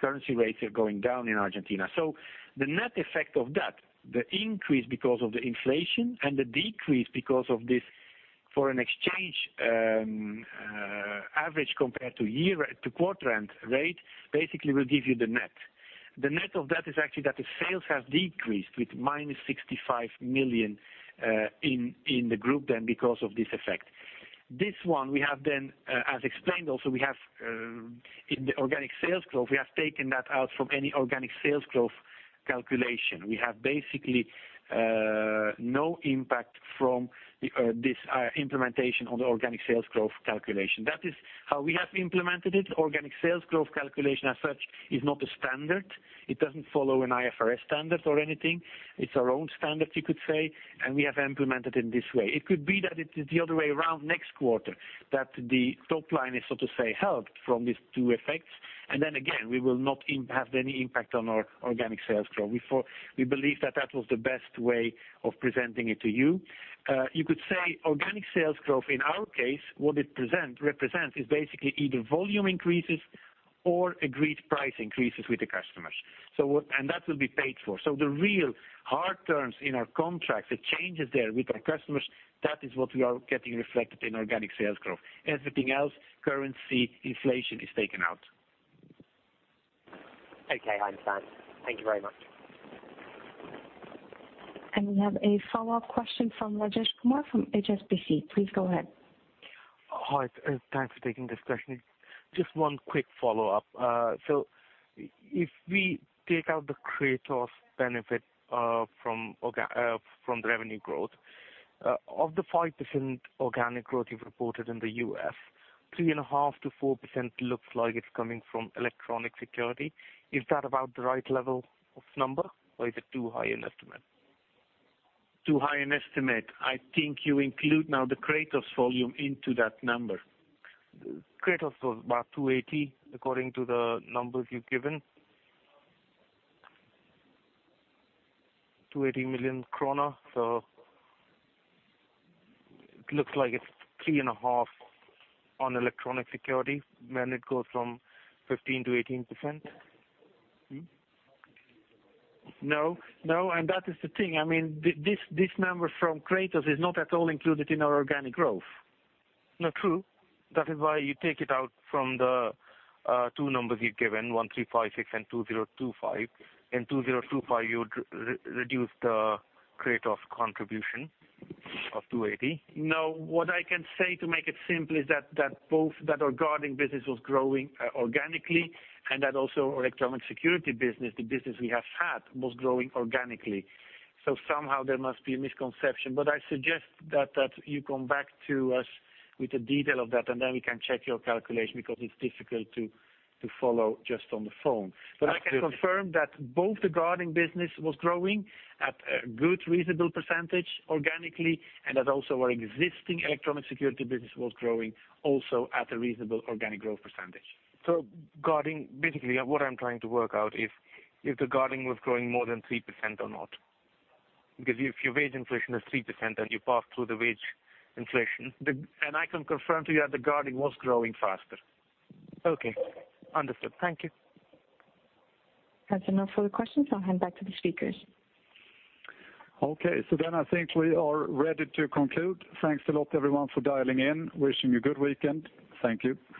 Speaker 2: currency rates are going down in Argentina. The net effect of that, the increase because of the inflation and the decrease because of this foreign exchange average compared to quarter end rate, basically will give you the net. The net of that is actually that the sales have decreased with minus 65 million in the group then because of this effect. As explained also, in the organic sales growth, we have taken that out from any organic sales growth calculation. We have basically no impact from this implementation on the organic sales growth calculation. That is how we have implemented it. Organic sales growth calculation as such is not a standard. It doesn't follow an IFRS standard or anything. It's our own standard, you could say, and we have implemented it this way. It could be that it is the other way around next quarter, that the top line is so to say helped from these two effects. Again, we will not have any impact on our organic sales growth. We believe that was the best way of presenting it to you. You could say organic sales growth in our case, what it represents is basically either volume increases or agreed price increases with the customers. That will be paid for. The real hard terms in our contracts, the changes there with our customers, that is what we are getting reflected in organic sales growth. Everything else, currency, inflation is taken out.
Speaker 14: Okay, I understand. Thank you very much.
Speaker 4: We have a follow-up question from Rajesh Kumar from HSBC. Please go ahead.
Speaker 7: Hi. Thanks for taking this question. Just one quick follow-up. If we take out the Kratos benefit from the revenue growth, of the 5% organic growth you've reported in the U.S., 3.5%-4% looks like it's coming from electronic security. Is that about the right level of number or is it too high an estimate?
Speaker 2: Too high an estimate. I think you include now the Kratos volume into that number.
Speaker 7: Kratos was about 280 according to the numbers you've given. SEK 280 million. It looks like it's 3.5% on electronic security when it goes from 15%-18%.
Speaker 2: No, that is the thing. This number from Kratos is not at all included in our organic growth.
Speaker 7: True. That is why you take it out from the two numbers you've given, 1,356 and 2,025. In 2025, you reduce the Kratos contribution of 280.
Speaker 2: What I can say to make it simple is that our guarding business was growing organically, and that also our electronic security business, the business we have had, was growing organically. Somehow there must be a misconception. I suggest that you come back to us with the detail of that, and then we can check your calculation because it's difficult to follow just on the phone. I can confirm that both the guarding business was growing at a good, reasonable percentage organically, and that also our existing electronic security business was growing also at a reasonable organic growth percentage.
Speaker 7: Guarding, basically what I'm trying to work out is, if the guarding was growing more than 3% or not. If your wage inflation is 3% then you pass through the wage inflation.
Speaker 2: I can confirm to you that the guarding was growing faster.
Speaker 7: Okay. Understood. Thank you.
Speaker 4: That's enough for the questions. I'll hand back to the speakers.
Speaker 1: Okay, I think we are ready to conclude. Thanks a lot, everyone, for dialing in. Wishing you a good weekend. Thank you.